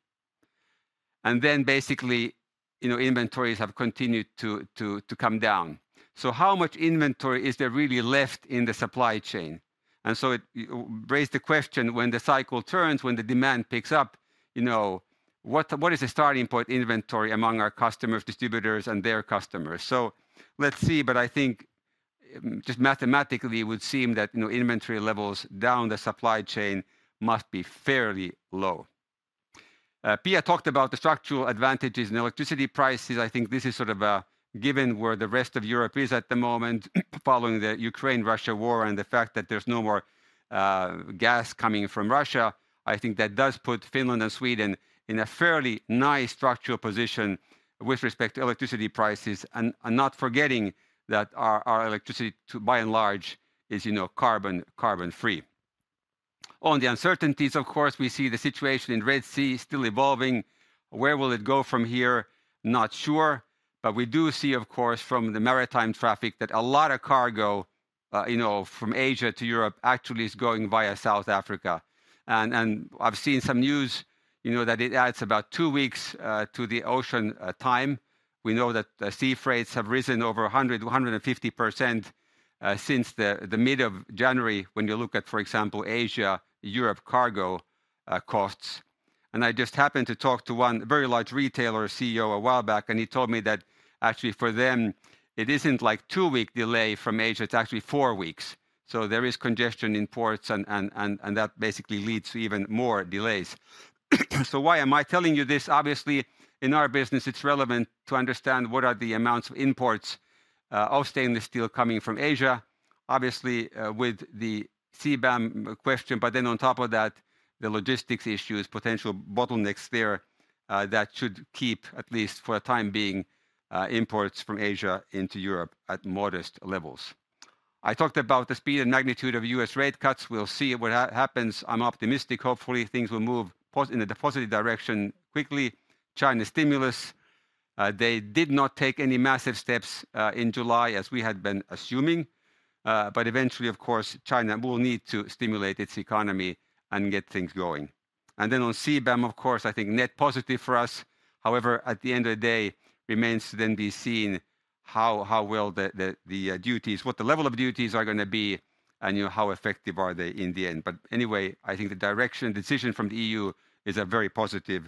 Then basically, you know, inventories have continued to come down. So how much inventory is there really left in the supply chain? So it raises the question, when the cycle turns, when the demand picks up, you know, what is the starting point inventory among our customers, distributors, and their customers? So let's see, but I think, just mathematically, it would seem that, you know, inventory levels down the supply chain must be fairly low. Pia talked about the structural advantages in electricity prices. I think this is sort of a given where the rest of Europe is at the moment, following the Ukraine-Russia war and the fact that there's no more gas coming from Russia. I think that does put Finland and Sweden in a fairly nice structural position with respect to electricity prices, and not forgetting that our electricity, too, by and large, is, you know, carbon-free. On the uncertainties, of course, we see the situation in Red Sea still evolving. Where will it go from here? Not sure. But we do see, of course, from the maritime traffic, that a lot of cargo, you know, from Asia to Europe, actually is going via South Africa. And I've seen some news, you know, that it adds about two weeks to the ocean time. We know that sea freights have risen over 100 to 150%, since the mid of January, when you look at, for example, Asia, Europe cargo costs. And I just happened to talk to one very large retailer CEO a while back, and he told me that actually for them, it isn't like 2-week delay from Asia, it's actually 4 weeks. So there is congestion in ports and that basically leads to even more delays. So why am I telling you this? Obviously, in our business, it's relevant to understand what are the amounts of imports of stainless steel coming from Asia, obviously, with the CBAM question, but then on top of that, the logistics issues, potential bottlenecks there, that should keep, at least for the time being, imports from Asia into Europe at modest levels. I talked about the speed and magnitude of U.S. rate cuts. We'll see what happens. I'm optimistic. Hopefully, things will move in a positive direction quickly. China stimulus, they did not take any massive steps in July, as we had been assuming, but eventually, of course, China will need to stimulate its economy and get things going. And then on CBAM, of course, I think net positive for us. However, at the end of the day, remains to then be seen, how well the duties—what the level of duties are gonna be, and, you know, how effective are they in the end. But anyway, I think the direction and decision from the EU is a very positive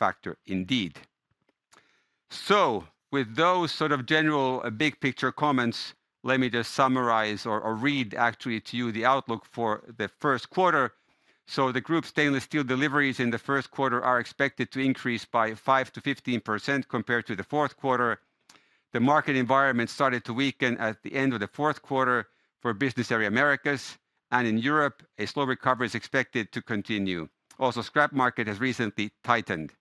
factor indeed. So with those sort of general big picture comments, let me just summarize or read actually to you the outlook for the first quarter. The group's stainless steel deliveries in the first quarter are expected to increase by 5%-15% compared to the fourth quarter. The market environment started to weaken at the end of the fourth quarter for Business Area Americas, and in Europe, a slow recovery is expected to continue. Also, scrap market has recently tightened.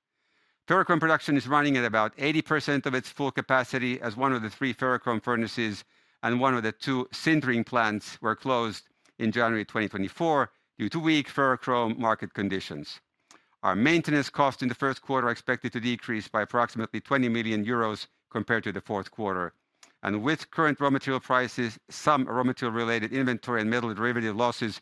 Ferrochrome production is running at about 80% of its full capacity, as one of the three ferrochrome furnaces and one of the two sintering plants were closed in January 2024 due to weak ferrochrome market conditions. Our maintenance costs in the first quarter are expected to decrease by approximately 20 million euros compared to the fourth quarter. With current raw material prices, some raw material-related inventory and metal derivative losses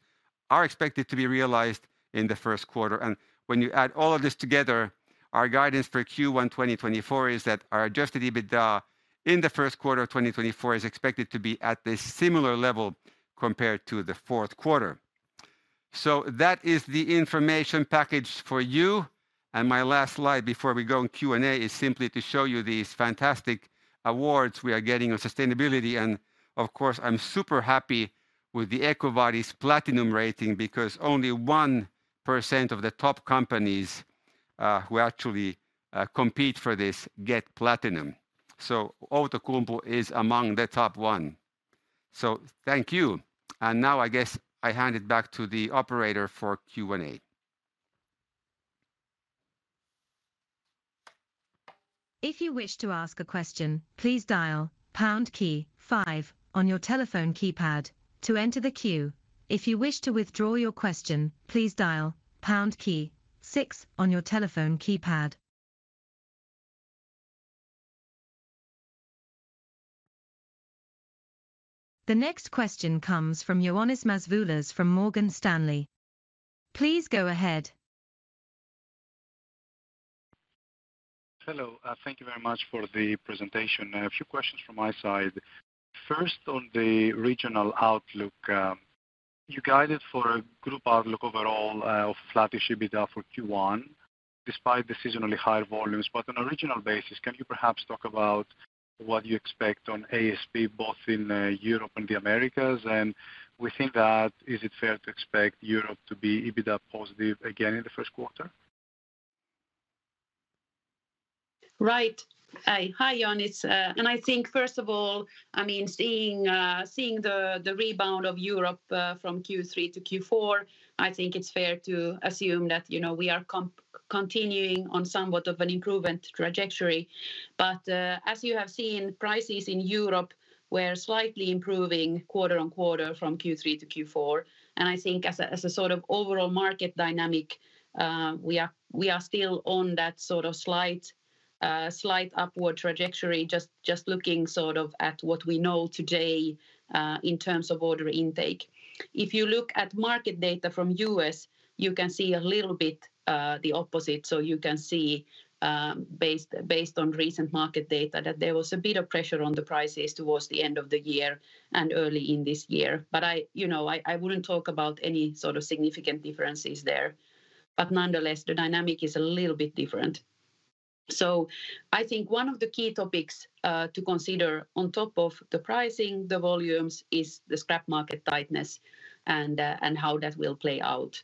are expected to be realized in the first quarter. When you add all of this together, our guidance for Q1 2024 is that our Adjusted EBITDA in the first quarter of 2024 is expected to be at a similar level compared to the fourth quarter. So that is the information package for you. My last slide before we go on Q&A is simply to show you these fantastic awards we are getting on sustainability, and, of course, I'm super happy with the EcoVadis Platinum rating because only 1% of the top companies who actually compete for this get Platinum. So Outokumpu is among the top 1. So thank you. And now, I guess, I hand it back to the operator for Q&A. If you wish to ask a question, please dial pound key five on your telephone keypad to enter the queue. If you wish to withdraw your question, please dial pound key six on your telephone keypad. The next question comes from Ioannis Masvoulas from Morgan Stanley. Please go ahead. Hello, thank you very much for the presentation. A few questions from my side. First, on the regional outlook, you guided for a group outlook overall, of flat EBITDA for Q1, despite the seasonally higher volumes. But on a regional basis, can you perhaps talk about what you expect on ASP, both in, Europe and the Americas? And we think that is it fair to expect Europe to be EBITDA positive again in the first quarter? Right. Hi, Ioannis. And I think first of all, I mean, seeing the rebound of Europe from Q3 to Q4, I think it's fair to assume that, you know, we are continuing on somewhat of an improvement trajectory. But as you have seen, prices in Europe were slightly improving quarter on quarter from Q3 to Q4, and I think as a sort of overall market dynamic, we are still on that sort of slight upward trajectory, just looking sort of at what we know today in terms of order intake. If you look at market data from U.S., you can see a little bit the opposite. So you can see, based on recent market data, that there was a bit of pressure on the prices towards the end of the year and early in this year. But you know, I wouldn't talk about any sort of significant differences there, but nonetheless, the dynamic is a little bit different. So I think one of the key topics to consider on top of the pricing, the volumes, is the scrap market tightness and how that will play out.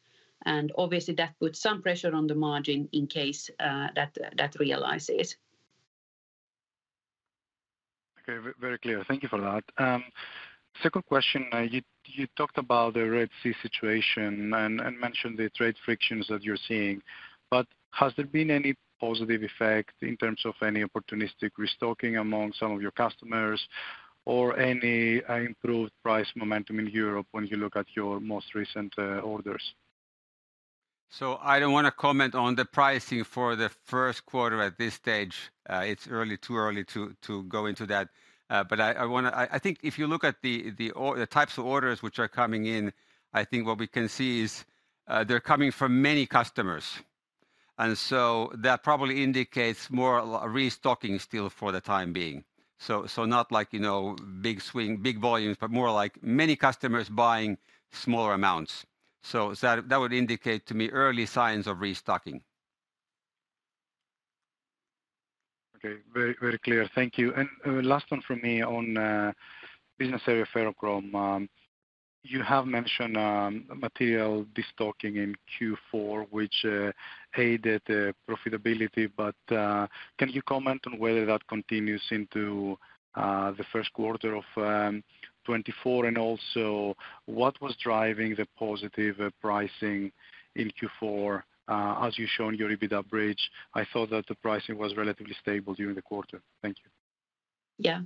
And obviously, that puts some pressure on the margin in case that realizes. Okay, very clear. Thank you for that. Second question, you talked about the Red Sea situation and mentioned the trade frictions that you're seeing, but has there been any positive effect in terms of any opportunistic restocking among some of your customers or any improved price momentum in Europe when you look at your most recent orders? So I don't wanna comment on the pricing for the first quarter at this stage. It's early, too early to go into that. But I wanna. I think if you look at the types of orders which are coming in, I think what we can see is, they're coming from many customers, and so that probably indicates more restocking still for the time being. So not like, you know, big swing, big volumes, but more like many customers buying smaller amounts. So that would indicate to me early signs of restocking. Okay. Very, very clear. Thank you. And, last one from me on, Business Area Ferrochrome. You have mentioned, material destocking in Q4, which, aided the profitability, but, can you comment on whether that continues into, the first quarter of 2024? And also, what was driving the positive pricing in Q4, as you shown your EBITDA bridge, I thought that the pricing was relatively stable during the quarter. Thank you. Yeah.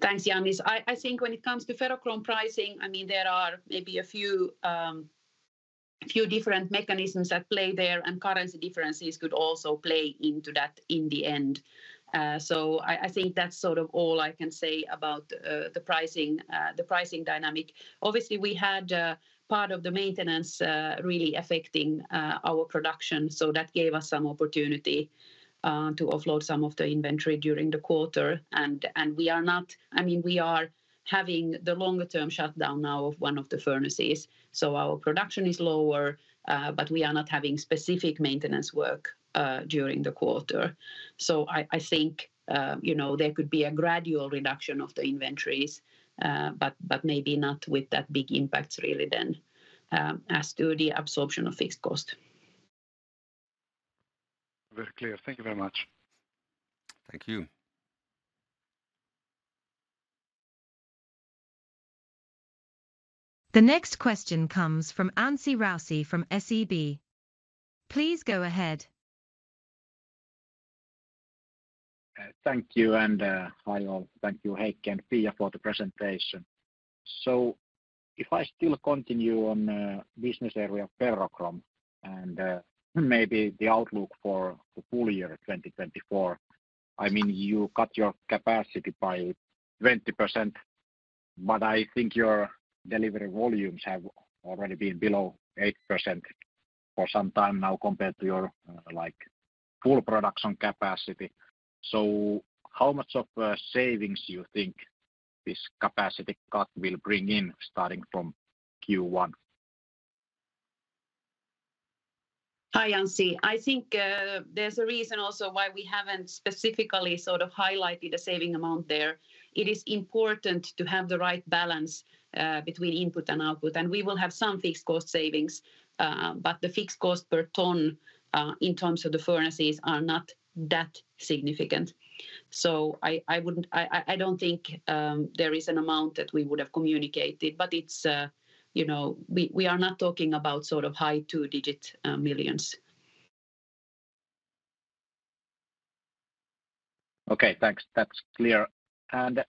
Thanks, Ioannis. I think when it comes to ferrochrome pricing, I mean, there are maybe a few different mechanisms at play there, and currency differences could also play into that in the end. So I think that's sort of all I can say about the pricing, the pricing dynamic. Obviously, we had part of the maintenance really affecting our production, so that gave us some opportunity to offload some of the inventory during the quarter. And we are not—I mean, we are having the longer term shutdown now of one of the furnaces, so our production is lower, but we are not having specific maintenance work during the quarter. So I think, you know, there could be a gradual reduction of the inventories, but maybe not with that big impact really then, as to the absorption of fixed cost. Very clear. Thank you very much. Thank you. The next question comes from Anssi Raussi from SEB. Please go ahead. Thank you, and, hi, all. Thank you, Heikki and Pia, for the presentation. So if I still continue on, Business Area Ferrochrome, and, maybe the outlook for the full year 2024, I mean, you cut your capacity by 20%, but I think your delivery volumes have already been below 8% for some time now compared to your, like, full production capacity. So how much of, savings you think this capacity cut will bring in starting from Q1? Hi, Anssi. I think, there's a reason also why we haven't specifically sort of highlighted the saving amount there. It is important to have the right balance, between input and output, and we will have some fixed cost savings, but the fixed cost per ton, in terms of the furnaces are not that significant.... So I wouldn't-- I don't think, there is an amount that we would have communicated, but it's, you know, we, we are not talking about sort of high two-digit, millions. Okay, thanks. That's clear. And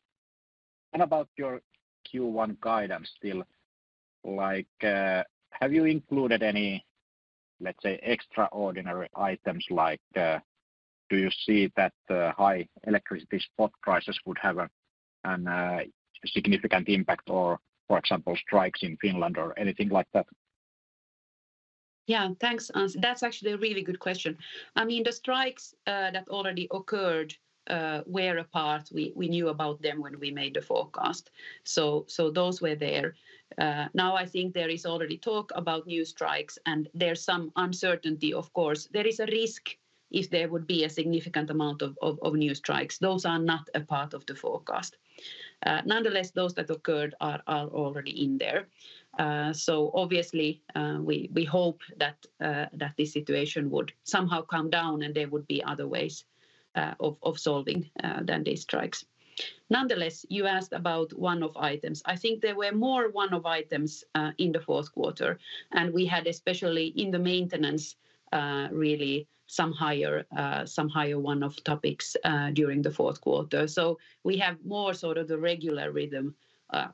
about your Q1 guidance still, like, have you included any, let's say, extraordinary items like, do you see that high electricity spot prices would have a significant impact or, for example, strikes in Finland or anything like that? Yeah, thanks, Anssi. That's actually a really good question. I mean, the strikes that already occurred were a part. We knew about them when we made the forecast. So those were there. Now I think there is already talk about new strikes, and there's some uncertainty, of course. There is a risk if there would be a significant amount of new strikes. Those are not a part of the forecast. Nonetheless, those that occurred are already in there. So obviously, we hope that this situation would somehow calm down, and there would be other ways of solving than these strikes. Nonetheless, you asked about one-off items. I think there were more one-off items in the fourth quarter, and we had, especially in the maintenance, really some higher one-off topics during the fourth quarter. So we have more sort of the regular rhythm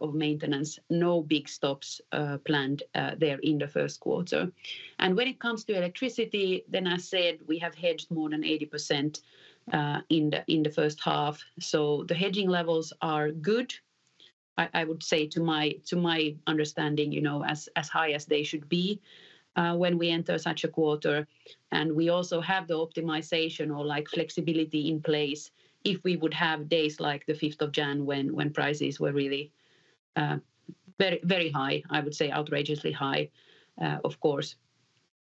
of maintenance. No big stops planned there in the first quarter. And when it comes to electricity, then I said we have hedged more than 80% in the first half, so the hedging levels are good. I would say to my understanding, you know, as high as they should be when we enter such a quarter, and we also have the optimization or, like, flexibility in place if we would have days like the fifth of January when prices were really very, very high, I would say outrageously high, of course.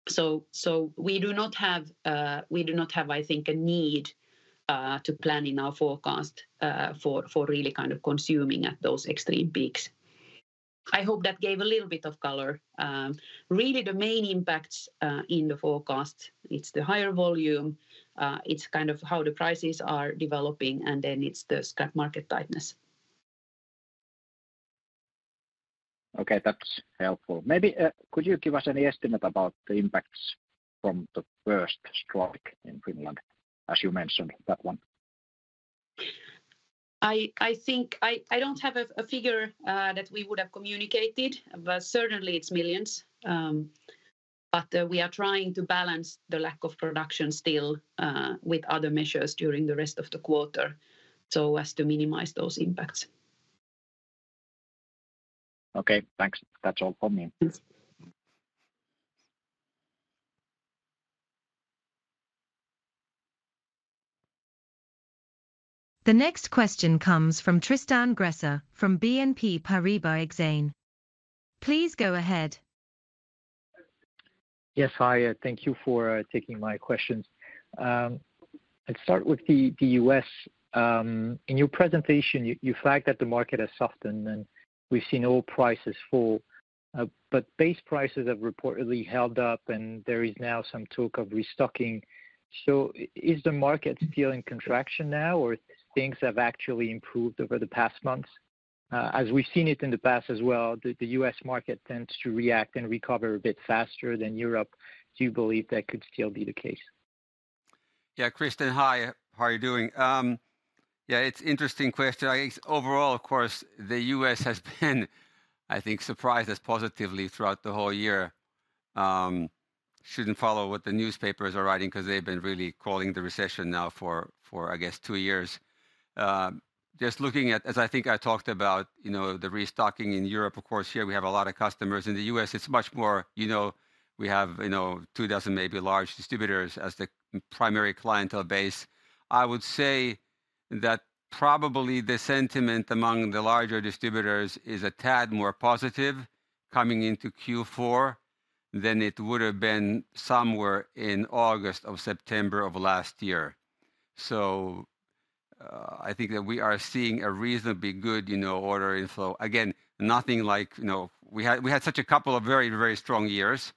So we do not have, I think, a need to plan in our forecast for really kind of consuming at those extreme peaks. I hope that gave a little bit of color. Really the main impacts in the forecast, it's the higher volume, it's kind of how the prices are developing, and then it's the scrap market tightness. Okay, that's helpful. Maybe, could you give us any estimate about the impacts from the first strike in Finland, as you mentioned that one? I think I don't have a figure that we would have communicated, but certainly it's millions. But we are trying to balance the lack of production still with other measures during the rest of the quarter so as to minimize those impacts. Okay, thanks. That's all from me. Thanks. The next question comes from Tristan Gresser from BNP Paribas Exane. Please go ahead. Yes. Hi, thank you for taking my questions. I'd start with the U.S. In your presentation, you flagged that the market has softened, and we've seen oil prices fall. But base prices have reportedly held up, and there is now some talk of restocking. So is the market still in contraction now, or things have actually improved over the past months? As we've seen it in the past as well, the U.S. market tends to react and recover a bit faster than Europe. Do you believe that could still be the case? Yeah, Tristan, hi. How are you doing? Yeah, it's interesting question. I guess overall, of course, the U.S. has been, I think, surprised us positively throughout the whole year. Shouldn't follow what the newspapers are writing 'cause they've been really calling the recession now for, I guess, two years. Just looking at... As I think I talked about, you know, the restocking in Europe, of course, here we have a lot of customers. In the U.S., it's much more, you know, we have, you know, two dozen, maybe large distributors as the primary clientele base. I would say that probably the sentiment among the larger distributors is a tad more positive coming into Q4 than it would've been somewhere in August or September of last year. So, I think that we are seeing a reasonably good, you know, order inflow. Again, nothing like, you know... We had such a couple of very, very strong years,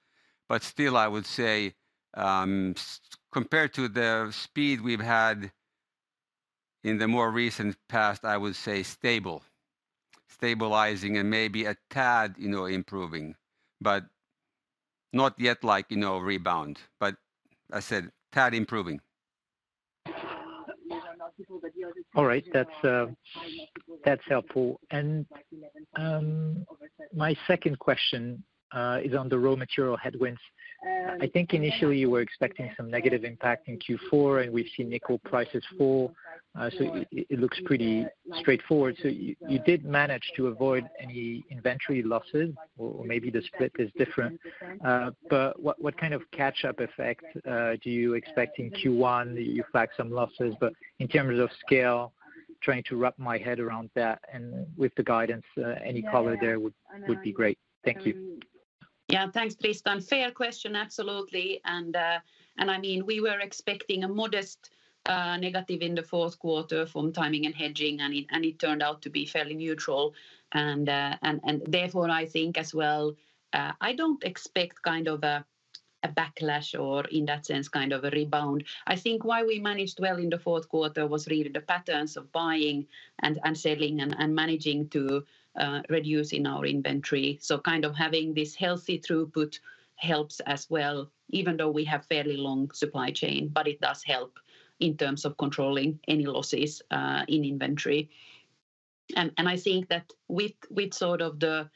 but still, I would say, compared to the speed we've had in the more recent past, I would say stable, stabilizing, and maybe a tad, you know, improving, but not yet like, you know, rebound. But I said tad improving. All right. That's, that's helpful. And, my second question, is on the raw material headwinds. I think initially you were expecting some negative impact in Q4, and we've seen nickel prices fall, so it looks pretty straightforward. So you, you did manage to avoid any inventory losses, or maybe the split is different. But what, what kind of catch-up effect, do you expect in Q1? You flagged some losses, but in terms of scale, trying to wrap my head around that. And with the guidance, any color there would, would be great. Thank you. Yeah. Thanks, Tristan. Fair question. Absolutely, and I mean, we were expecting a modest negative in the fourth quarter from timing and hedging, and it turned out to be fairly neutral. And therefore, I think as well, I don't expect kind of a backlash or in that sense, kind of a rebound. I think why we managed well in the fourth quarter was really the patterns of buying and selling and managing to reduce in our inventory. So kind of having this healthy throughput helps as well, even though we have fairly long supply chain, but it does help in terms of controlling any losses in inventory. And I think that with sort of the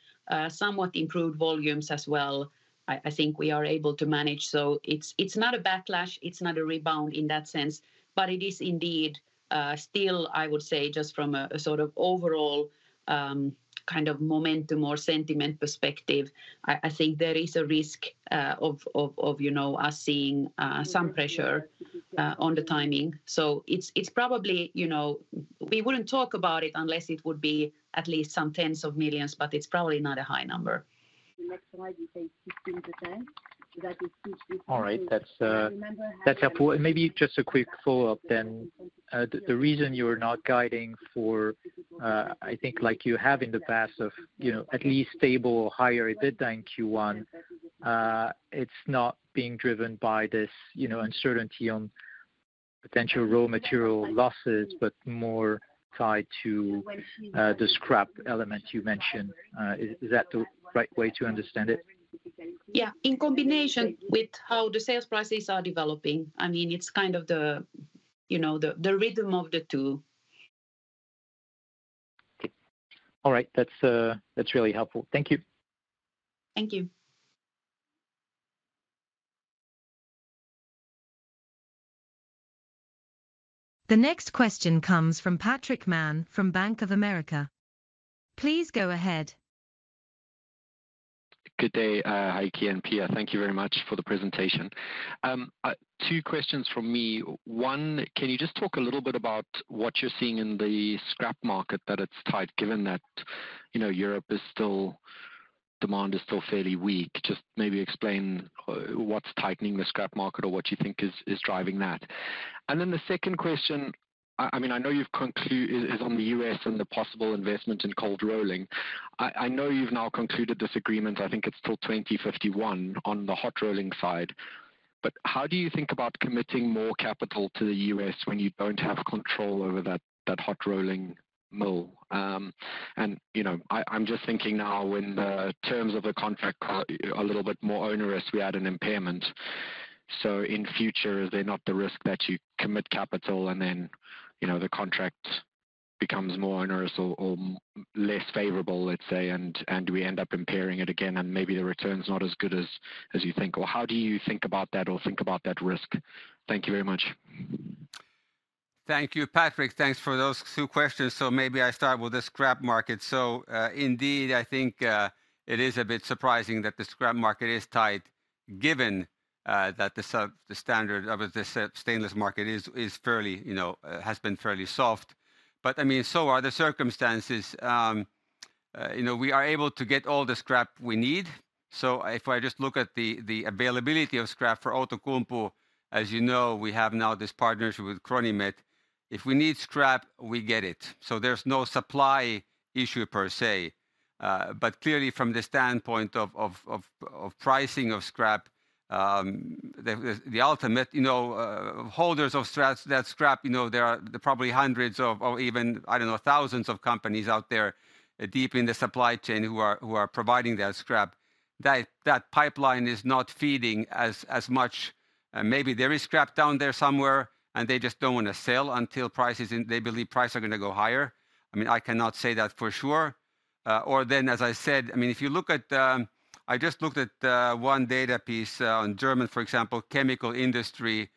somewhat improved volumes as well, I think we are able to manage. So it's, it's not a backlash, it's not a rebound in that sense, but it is indeed still, I would say, just from a sort of overall kind of momentum or sentiment perspective, I think there is a risk of you know us seeing some pressure on the timing. So it's, it's probably, you know, we wouldn't talk about it unless it would be at least some tens of millions EUR, but it's probably not a high number. All right. That's, that's helpful. Maybe just a quick follow-up then. The reason you are not guiding for, I think like you have in the past of, you know, at least stable or higher EBIT than Q1, it's not being driven by this, you know, uncertainty on potential raw material losses, but more tied to, the scrap element you mentioned. Is that the right way to understand it? Yeah. In combination with how the sales prices are developing, I mean, it's kind of the, you know, the rhythm of the two. All right. That's, that's really helpful. Thank you. Thank you. The next question comes from Patrick Mann from Bank of America. Please go ahead. Good day, Heikki and Pia. Thank you very much for the presentation. Two questions from me. One, can you just talk a little bit about what you're seeing in the scrap market, that it's tight, given that, you know, Europe is still, demand is still fairly weak? Just maybe explain, what's tightening the scrap market or what you think is driving that. And then the second question, I mean, I know you've concluded this is on the U.S. and the possible investment in cold rolling. I know you've now concluded this agreement, I think it's till 2051 on the hot rolling side. But how do you think about committing more capital to the U.S. when you don't have control over that hot rolling mill? You know, I'm just thinking now when the terms of the contract are a little bit more onerous, we add an impairment. So in future, is there not the risk that you commit capital and then, you know, the contract becomes more onerous or less favorable, let's say, and we end up impairing it again, and maybe the return is not as good as you think? Or how do you think about that or think about that risk? Thank you very much. Thank you, Patrick. Thanks for those two questions. So maybe I start with the scrap market. So, indeed, I think, it is a bit surprising that the scrap market is tight, given, that the standard of the stainless market is fairly, you know, has been fairly soft. But, I mean, so are the circumstances. You know, we are able to get all the scrap we need. So if I just look at the availability of scrap for Outokumpu, as you know, we have now this partnership with CRONIMET. If we need scrap, we get it. So there's no supply issue per se. But clearly from the standpoint of pricing of scrap, the ultimate, you know, holders of scrap, that scrap, you know, there are probably hundreds of even, I don't know, thousands of companies out there deep in the supply chain who are providing that scrap. That pipeline is not feeding as much. Maybe there is scrap down there somewhere, and they just don't want to sell until prices. They believe prices are gonna go higher. I mean, I cannot say that for sure. Or then, as I said, I mean, if you look at I just looked at one data piece on German, for example, chemical industry,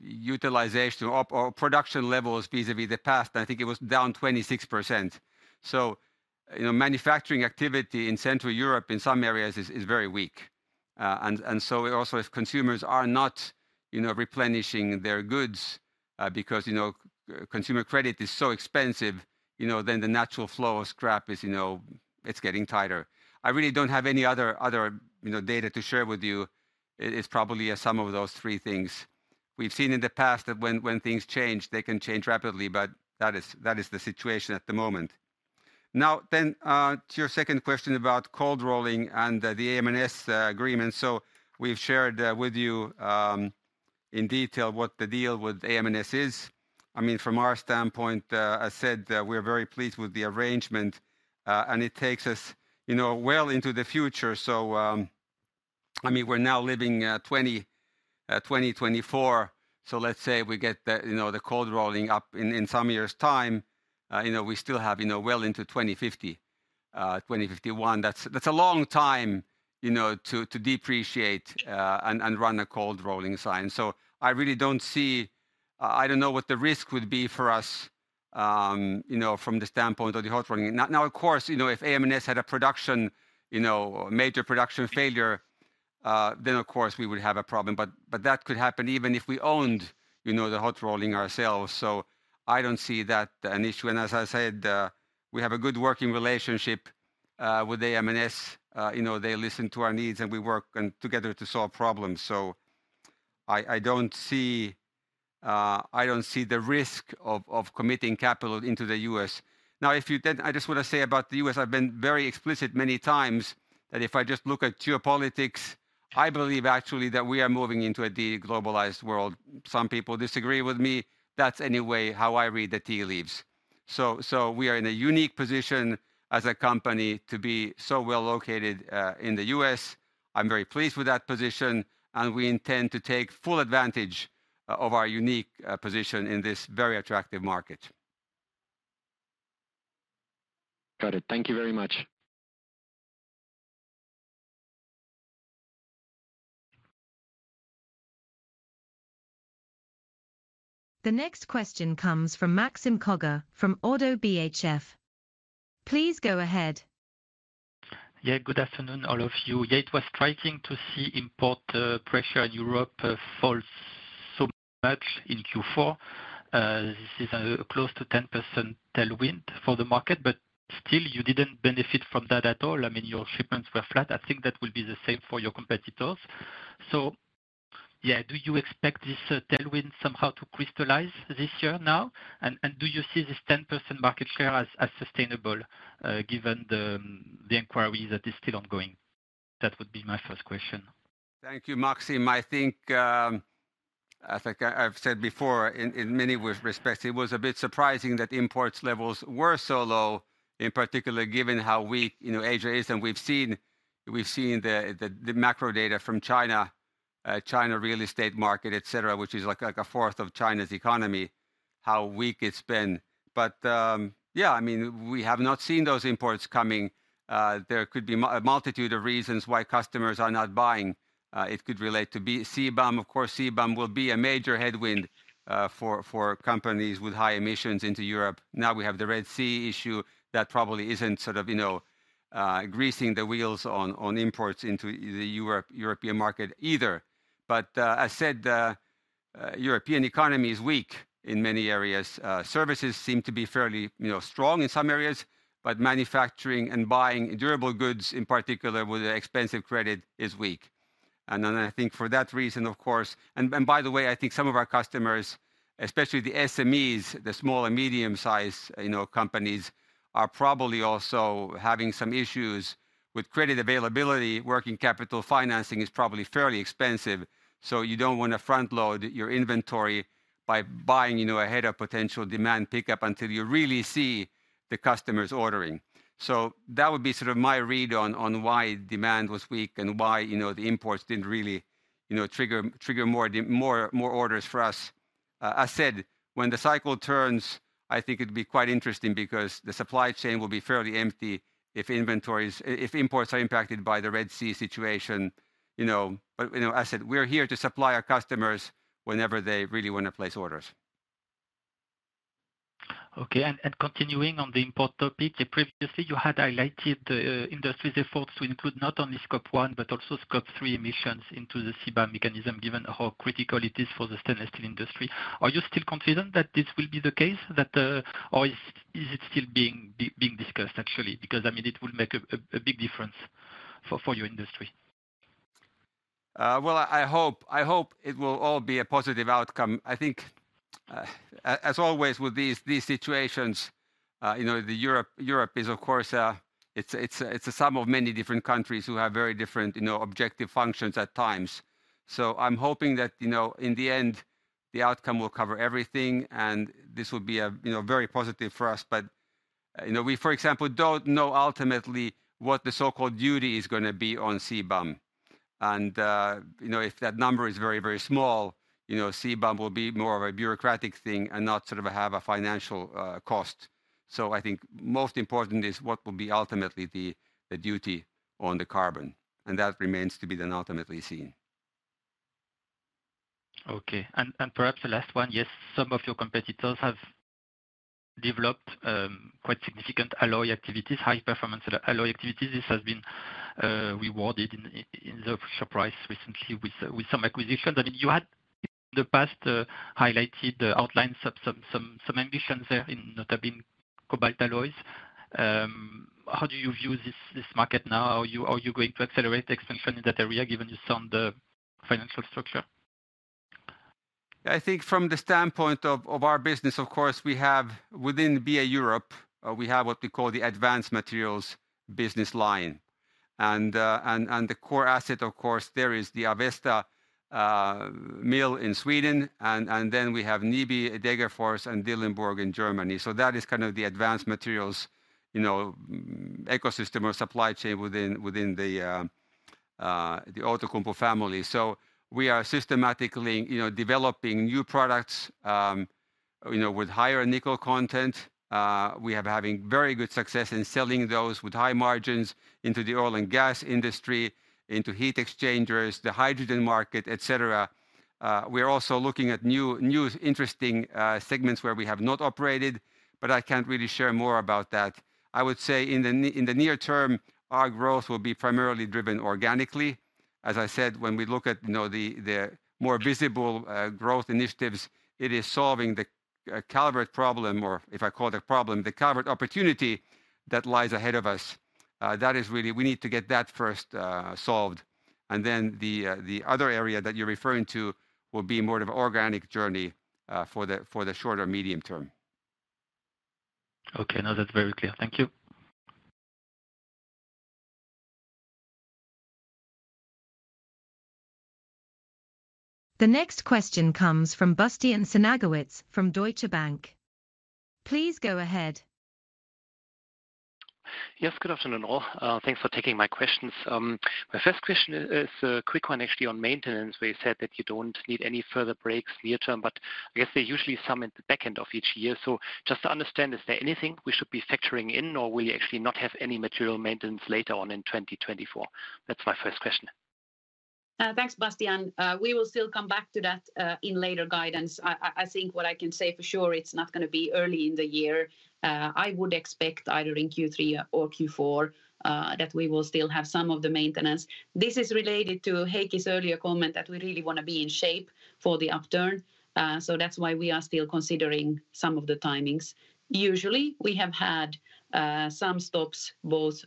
utilization or production levels vis-à-vis the past, I think it was down 26%. So, you know, manufacturing activity in Central Europe, in some areas is very weak. And so we also, if consumers are not, you know, replenishing their goods, because, you know, consumer credit is so expensive, you know, then the natural flow of scrap is, you know, it's getting tighter. I really don't have any other, you know, data to share with you. It is probably a sum of those three things. We've seen in the past that when things change, they can change rapidly, but that is the situation at the moment. Now, then, to your second question about cold rolling and the AM/NS agreement. So we've shared with you in detail what the deal with AM/NS is. I mean, from our standpoint, I said, we're very pleased with the arrangement, and it takes us, you know, well into the future. So, I mean, we're now living, 2024, so let's say we get the, you know, the cold rolling up in, in some years' time, you know, we still have, you know, well into 2050, 2051. That's, that's a long time, you know, to, to depreciate, and, and run a cold rolling line. So I really don't see... I don't know what the risk would be for us, you know, from the standpoint of the hot rolling. Now, now, of course, you know, if AM/NS had a production, you know, major production failure, then, of course, we would have a problem, but that could happen even if we owned, you know, the hot rolling ourselves. So I don't see that an issue. And as I said, we have a good working relationship with AM/NS. You know, they listen to our needs, and we work together to solve problems. So I don't see the risk of committing capital into the US. Now, if you then, I just wanna say about the US, I've been very explicit many times, that if I just look at geopolitics, I believe actually that we are moving into a de-globalized world. Some people disagree with me. That's anyway how I read the tea leaves. So we are in a unique position as a company to be so well located in the U.S. I'm very pleased with that position, and we intend to take full advantage of our unique position in this very attractive market. Got it. Thank you very much. The next question comes from Maxime Kogge from Oddo BHF. Please go ahead. Yeah, good afternoon, all of you. Yeah, it was striking to see import pressure in Europe fall so much in Q4. This is close to 10% tailwind for the market, but still, you didn't benefit from that at all. I mean, your shipments were flat. I think that will be the same for your competitors. So, yeah, do you expect this tailwind somehow to crystallize this year now? And, and do you see this 10% market share as, as sustainable, given the, the inquiry that is still ongoing? That would be my first question. Thank you, Maxime. I think, as I've said before, in many respects, it was a bit surprising that import levels were so low, in particular, given how weak, you know, Asia is, and we've seen the macro data from China, China real estate market, et cetera, which is like a fourth of China's economy, how weak it's been. But, yeah, I mean, we have not seen those imports coming. There could be a multitude of reasons why customers are not buying. It could relate to CBAM. Of course, CBAM will be a major headwind for companies with high emissions into Europe. Now, we have the Red Sea issue that probably isn't sort of, you know, greasing the wheels on imports into the European market either. But as said, the European economy is weak in many areas. Services seem to be fairly, you know, strong in some areas, but manufacturing and buying durable goods, in particular, with the expensive credit, is weak. And then I think for that reason, of course... And by the way, I think some of our customers, especially the SMEs, the small and medium-size, you know, companies, are probably also having some issues with credit availability. Working capital financing is probably fairly expensive, so you don't wanna front load your inventory by buying, you know, ahead of potential demand pickup until you really see the customers ordering. So that would be sort of my read on why demand was weak and why, you know, the imports didn't really, you know, trigger more orders for us. I said, when the cycle turns, I think it'd be quite interesting because the supply chain will be fairly empty if inventories-- if imports are impacted by the Red Sea situation, you know. But, you know, as I said, we're here to supply our customers whenever they really wanna place orders. Okay. And continuing on the import topic, previously, you had highlighted the industry's efforts to include not only Scope 1, but also Scope 3 emissions into the CBAM mechanism, given how critical it is for the stainless steel industry. Are you still confident that this will be the case, or is it still being discussed, actually? Because, I mean, it will make a big difference for your industry. Well, I hope it will all be a positive outcome. I think, as always, with these situations, you know, Europe is, of course, it's a sum of many different countries who have very different, you know, objective functions at times. So I'm hoping that, you know, in the end, the outcome will cover everything, and this will be a, you know, very positive for us. But, you know, we, for example, don't know ultimately what the so-called duty is gonna be on CBAM. And, you know, if that number is very, very small, you know, CBAM will be more of a bureaucratic thing and not sort of have a financial cost. So I think most important is what will be ultimately the duty on the carbon, and that remains to be then ultimately seen. Okay, perhaps the last one: yes, some of your competitors have developed quite significant alloy activities, high-performance alloy activities. This has been rewarded in the share price recently with some acquisitions. I mean, you had in the past highlighted the outlines of some ambitions there in not having cobalt alloys. How do you view this market now? Are you going to accelerate the expansion in that area, given the sound financial structure? I think from the standpoint of our business, of course, we have within BA Europe what we call the advanced materials business line. And the core asset, of course, there is the Avesta mill in Sweden, and then we have Nyby, Degerfors, and Dillenburg in Germany. So that is kind of the advanced materials, you know, ecosystem or supply chain within the Outokumpu family. So we are systematically, you know, developing new products, you know, with higher nickel content. We are having very good success in selling those with high margins into the oil and gas industry, into heat exchangers, the hydrogen market, et cetera. We are also looking at new interesting segments where we have not operated, but I can't really share more about that. I would say in the near term, our growth will be primarily driven organically. As I said, when we look at, you know, the more visible growth initiatives, it is solving the Calvert problem, or if I call it a problem, the Calvert opportunity that lies ahead of us. That is really, we need to get that first solved, and then the other area that you're referring to will be more of an organic journey, for the shorter medium term. Okay, now that's very clear. Thank you. The next question comes from Bastian Synagowitz from Deutsche Bank. Please go ahead. Yes, good afternoon, all. Thanks for taking my questions. My first question is a quick one actually on maintenance, where you said that you don't need any further breaks near term, but I guess there are usually some at the back end of each year. So just to understand, is there anything we should be factoring in, or will you actually not have any material maintenance later on in 2024? That's my first question. Thanks, Bastian. We will still come back to that in later guidance. I think what I can say for sure, it's not gonna be early in the year. I would expect either in Q3 or Q4 that we will still have some of the maintenance. This is related to Heikki's earlier comment that we really want to be in shape for the upturn. So that's why we are still considering some of the timings. Usually, we have had some stops, both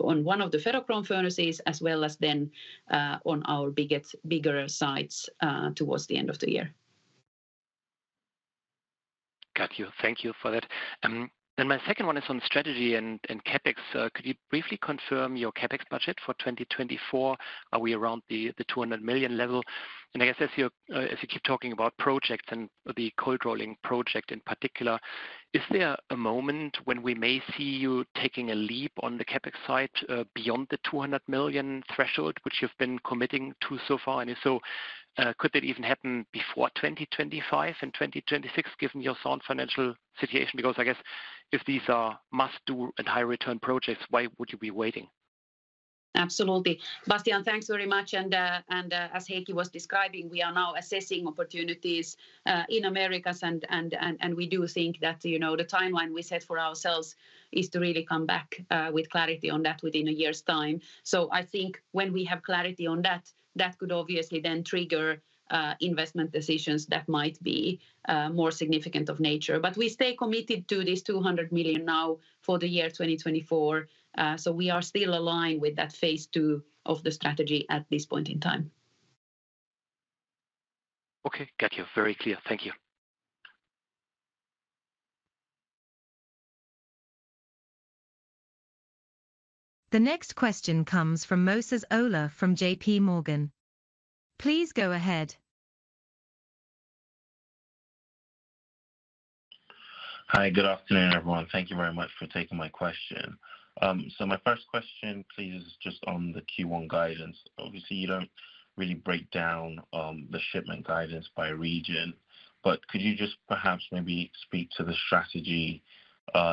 on one of the ferrochrome furnaces as well as then on our biggest, bigger sites towards the end of the year. Got you. Thank you for that. Then my second one is on strategy and CapEx. Could you briefly confirm your CapEx budget for 2024? Are we around the 200 million level? And I guess as you keep talking about projects and the cold rolling project in particular, is there a moment when we may see you taking a leap on the CapEx side, beyond the 200 million threshold, which you've been committing to so far? And if so, could that even happen before 2025 and 2026, given your sound financial situation? Because I guess if these are must-do and high-return projects, why would you be waiting? Absolutely. Bastian, thanks very much, and as Heikki was describing, we are now assessing opportunities in Americas, and we do think that, you know, the timeline we set for ourselves is to really come back with clarity on that within a year's time. So I think when we have clarity on that, that could obviously then trigger investment decisions that might be more significant of nature. But we stay committed to this 200 million now for the year 2024. So we are still aligned with that phase two of the strategy at this point in time. Okay, got you. Very clear. Thank you. The next question comes from Moses Sherwood from JP Morgan. Please go ahead. Hi, good afternoon, everyone. Thank you very much for taking my question. So my first question, please, is just on the Q1 guidance. Obviously, you don't really break down the shipment guidance by region, but could you just perhaps maybe speak to the strategy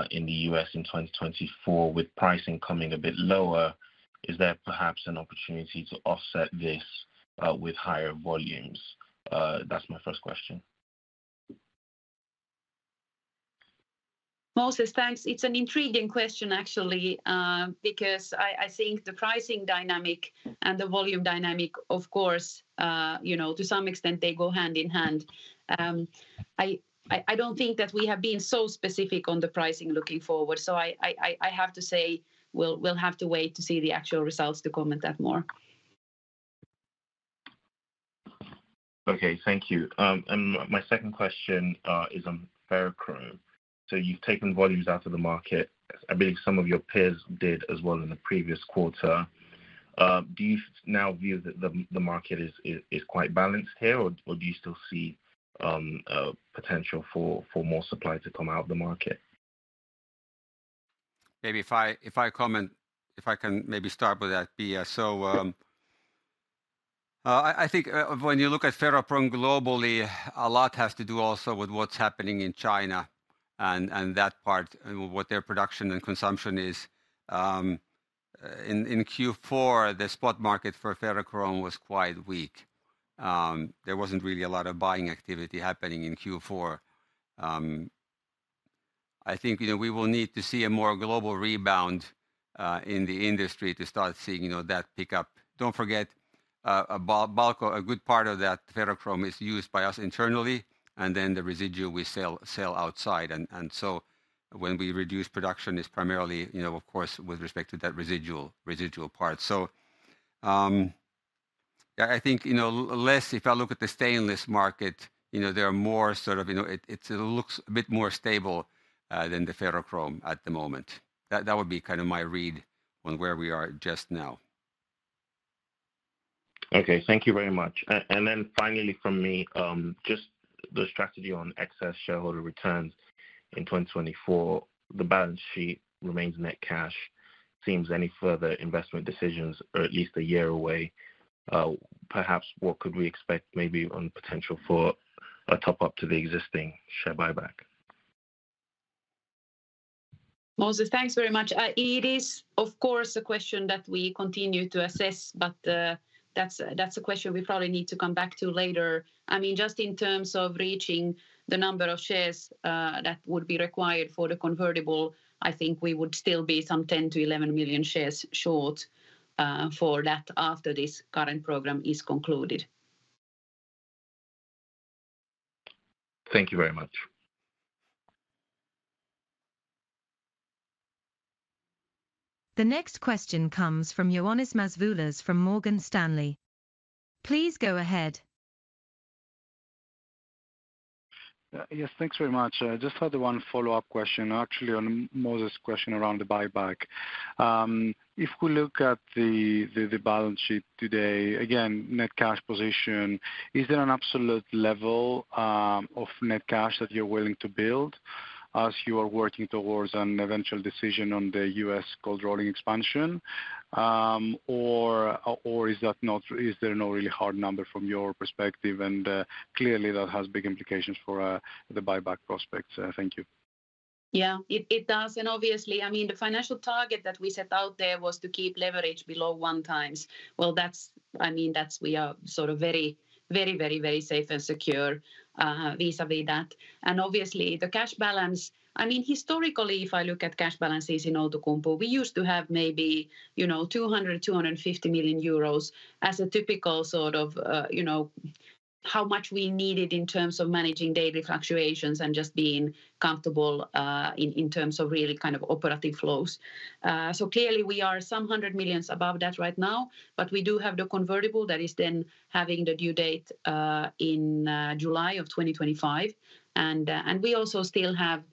in the U.S. in 2024, with pricing coming a bit lower, is there perhaps an opportunity to offset this with higher volumes? That's my first question. Moses, thanks. It's an intriguing question, actually, because I think the pricing dynamic and the volume dynamic, of course, you know, to some extent they go hand in hand. I don't think that we have been so specific on the pricing looking forward, so I have to say, we'll have to wait to see the actual results to comment that more. Okay. Thank you. And my second question is on ferrochrome. So you've taken volumes out of the market. I believe some of your peers did as well in the previous quarter. Do you now view that the market is quite balanced here, or do you still see a potential for more supply to come out of the market? Maybe if I comment, if I can maybe start with that, Pia. So, I think, when you look at ferrochrome globally, a lot has to do also with what's happening in China and that part, and what their production and consumption is. In Q4, the spot market for ferrochrome was quite weak. There wasn't really a lot of buying activity happening in Q4. I think, you know, we will need to see a more global rebound in the industry to start seeing, you know, that pick up. Don't forget, BALCO a good part of that ferrochrome is used by us internally, and then the residual we sell outside. So when we reduce production, it's primarily, you know, of course, with respect to that residual part. So, yeah, I think, you know, less if I look at the stainless market, you know, there are more sort of... You know, it looks a bit more stable than the ferrochrome at the moment. That would be kind of my read on where we are just now. Okay. Thank you very much. And then finally from me, just the strategy on excess shareholder returns in 2024, the balance sheet remains net cash. Seems any further investment decisions are at least a year away. Perhaps what could we expect maybe on potential for a top-up to the existing share buyback? Moses, thanks very much. It is, of course, a question that we continue to assess, but that's a question we probably need to come back to later. I mean, just in terms of reaching the number of shares that would be required for the convertible, I think we would still be some 10-11 million shares short for that after this current program is concluded. Thank you very much. The next question comes from Ioannis Masvoulas from Morgan Stanley. Please go ahead. Yes, thanks very much. Just had the one follow-up question, actually, on Moses' question around the buyback. If we look at the balance sheet today, again, net cash position, is there an absolute level of net cash that you're willing to build as you are working towards an eventual decision on the US cold rolling expansion? Or is that not? Is there no really hard number from your perspective? And clearly, that has big implications for the buyback prospects. Thank you. Yeah, it, it does. And obviously, I mean, the financial target that we set out there was to keep leverage below 1x. Well, that's, I mean, that's we are sort of very, very, very, very safe and secure, vis-a-vis that. And obviously, the cash balance... I mean, historically, if I look at cash balances in Outokumpu, we used to have maybe, you know, 200-250 million euros as a typical sort of, you know, how much we needed in terms of managing daily fluctuations and just being comfortable, in, in terms of really kind of operative flows. So clearly, we are some hundreds of millions above that right now, but we do have the convertible that is then having the due date, in, July of 2025. We also still have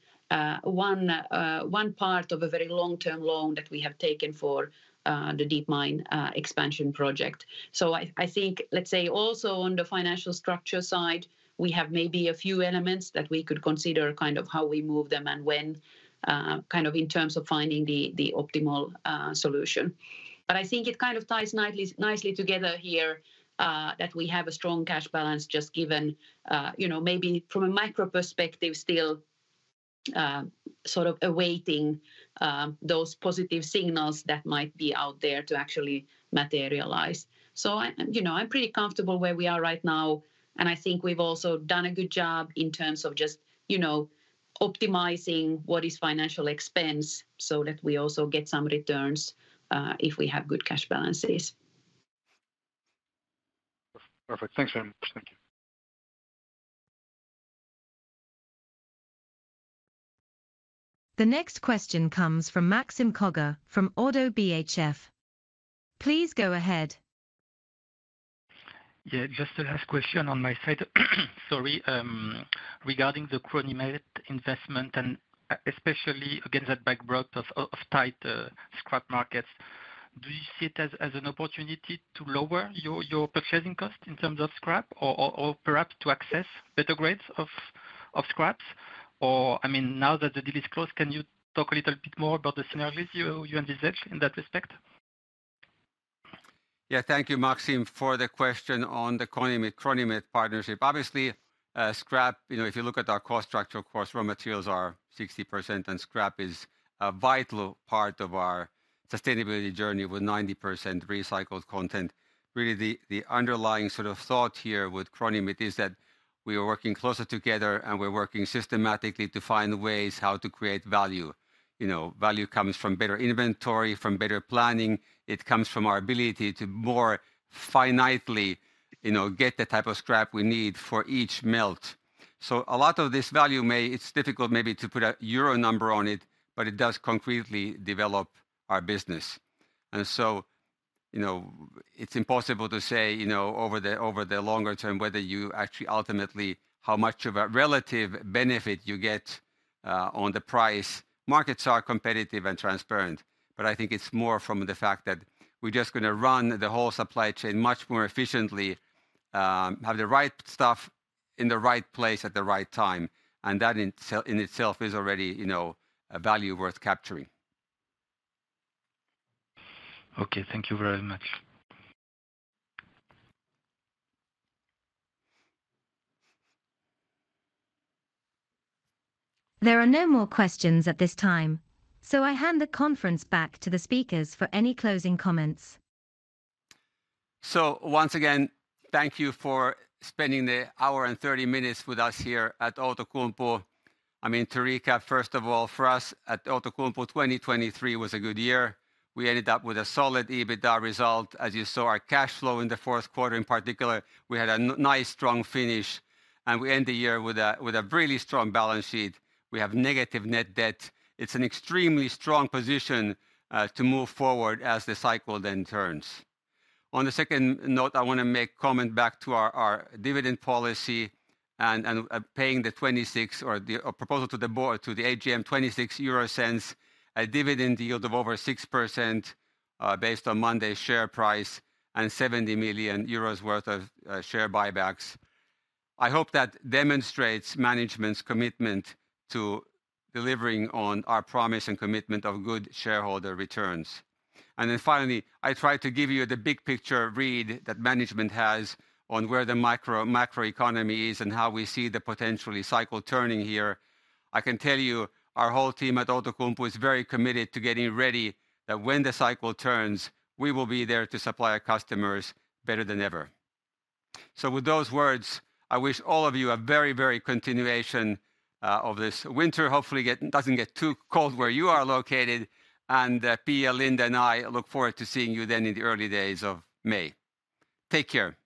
one part of a very long-term loan that we have taken for the deep mine expansion project. So I think, let's say also on the financial structure side, we have maybe a few elements that we could consider kind of how we move them and when, kind of in terms of finding the optimal solution. But I think it kind of ties nicely together here that we have a strong cash balance, just given you know, maybe from a micro perspective, still sort of awaiting those positive signals that might be out there to actually materialize. So I, you know, I'm pretty comfortable where we are right now, and I think we've also done a good job in terms of just, you know, optimizing what is financial expense so that we also get some returns, if we have good cash balances. Perfect. Thanks very much. Thank you. The next question comes from Maxime Kogge from Oddo BHF. Please go ahead. Yeah, just the last question on my side. Sorry, regarding the CRONIMET investment, and especially against that backdrop of tight scrap markets, do you see it as an opportunity to lower your purchasing cost in terms of scrap or perhaps to access better grades of scraps? Or, I mean, now that the deal is closed, can you talk a little bit more about the synergies you envisage in that respect? Yeah, thank you, Maxime, for the question on the CRONIMET, CRONIMET partnership. Obviously, scrap, you know, if you look at our cost structure, of course, raw materials are 60%, and scrap is a vital part of our sustainability journey with 90% recycled content. Really, the underlying sort of thought here with CRONIMET is that we are working closer together, and we're working systematically to find ways how to create value. You know, value comes from better inventory, from better planning. It comes from our ability to more finitely, you know, get the type of scrap we need for each melt. So a lot of this value may... It's difficult maybe to put a euro number on it, but it does concretely develop our business. And so, you know, it's impossible to say, you know, over the longer term, whether you actually ultimately how much of a relative benefit you get on the price. Markets are competitive and transparent, but I think it's more from the fact that we're just gonna run the whole supply chain much more efficiently, have the right stuff in the right place at the right time, and that in itself is already, you know, a value worth capturing. Okay, thank you very much. There are no more questions at this time, so I hand the conference back to the speakers for any closing comments. Once again, thank you for spending the 1 hour and 30 minutes with us here at Outokumpu. I mean, to recap, first of all, for us at Outokumpu, 2023 was a good year. We ended up with a solid EBITDA result. As you saw, our cash flow in the fourth quarter in particular, we had a nice, strong finish, and we end the year with a really strong balance sheet. We have negative net debt. It's an extremely strong position to move forward as the cycle then turns. On the second note, I wanna make comment back to our dividend policy and paying the 0.26 or the proposal to the board, to the AGM 0.26 EUR, a dividend yield of over 6%, based on Monday's share price, and 70 million euros worth of share buybacks. I hope that demonstrates management's commitment to delivering on our promise and commitment of good shareholder returns. Then finally, I tried to give you the big picture read that management has on where the micro- macroeconomy is and how we see the potentially cycle turning here. I can tell you, our whole team at Outokumpu is very committed to getting ready, that when the cycle turns, we will be there to supply our customers better than ever. So with those words, I wish all of you a very, very continuation of this winter. Hopefully, doesn't get too cold where you are located. And Pia, Linda, and I look forward to seeing you then in the early days of May. Take care.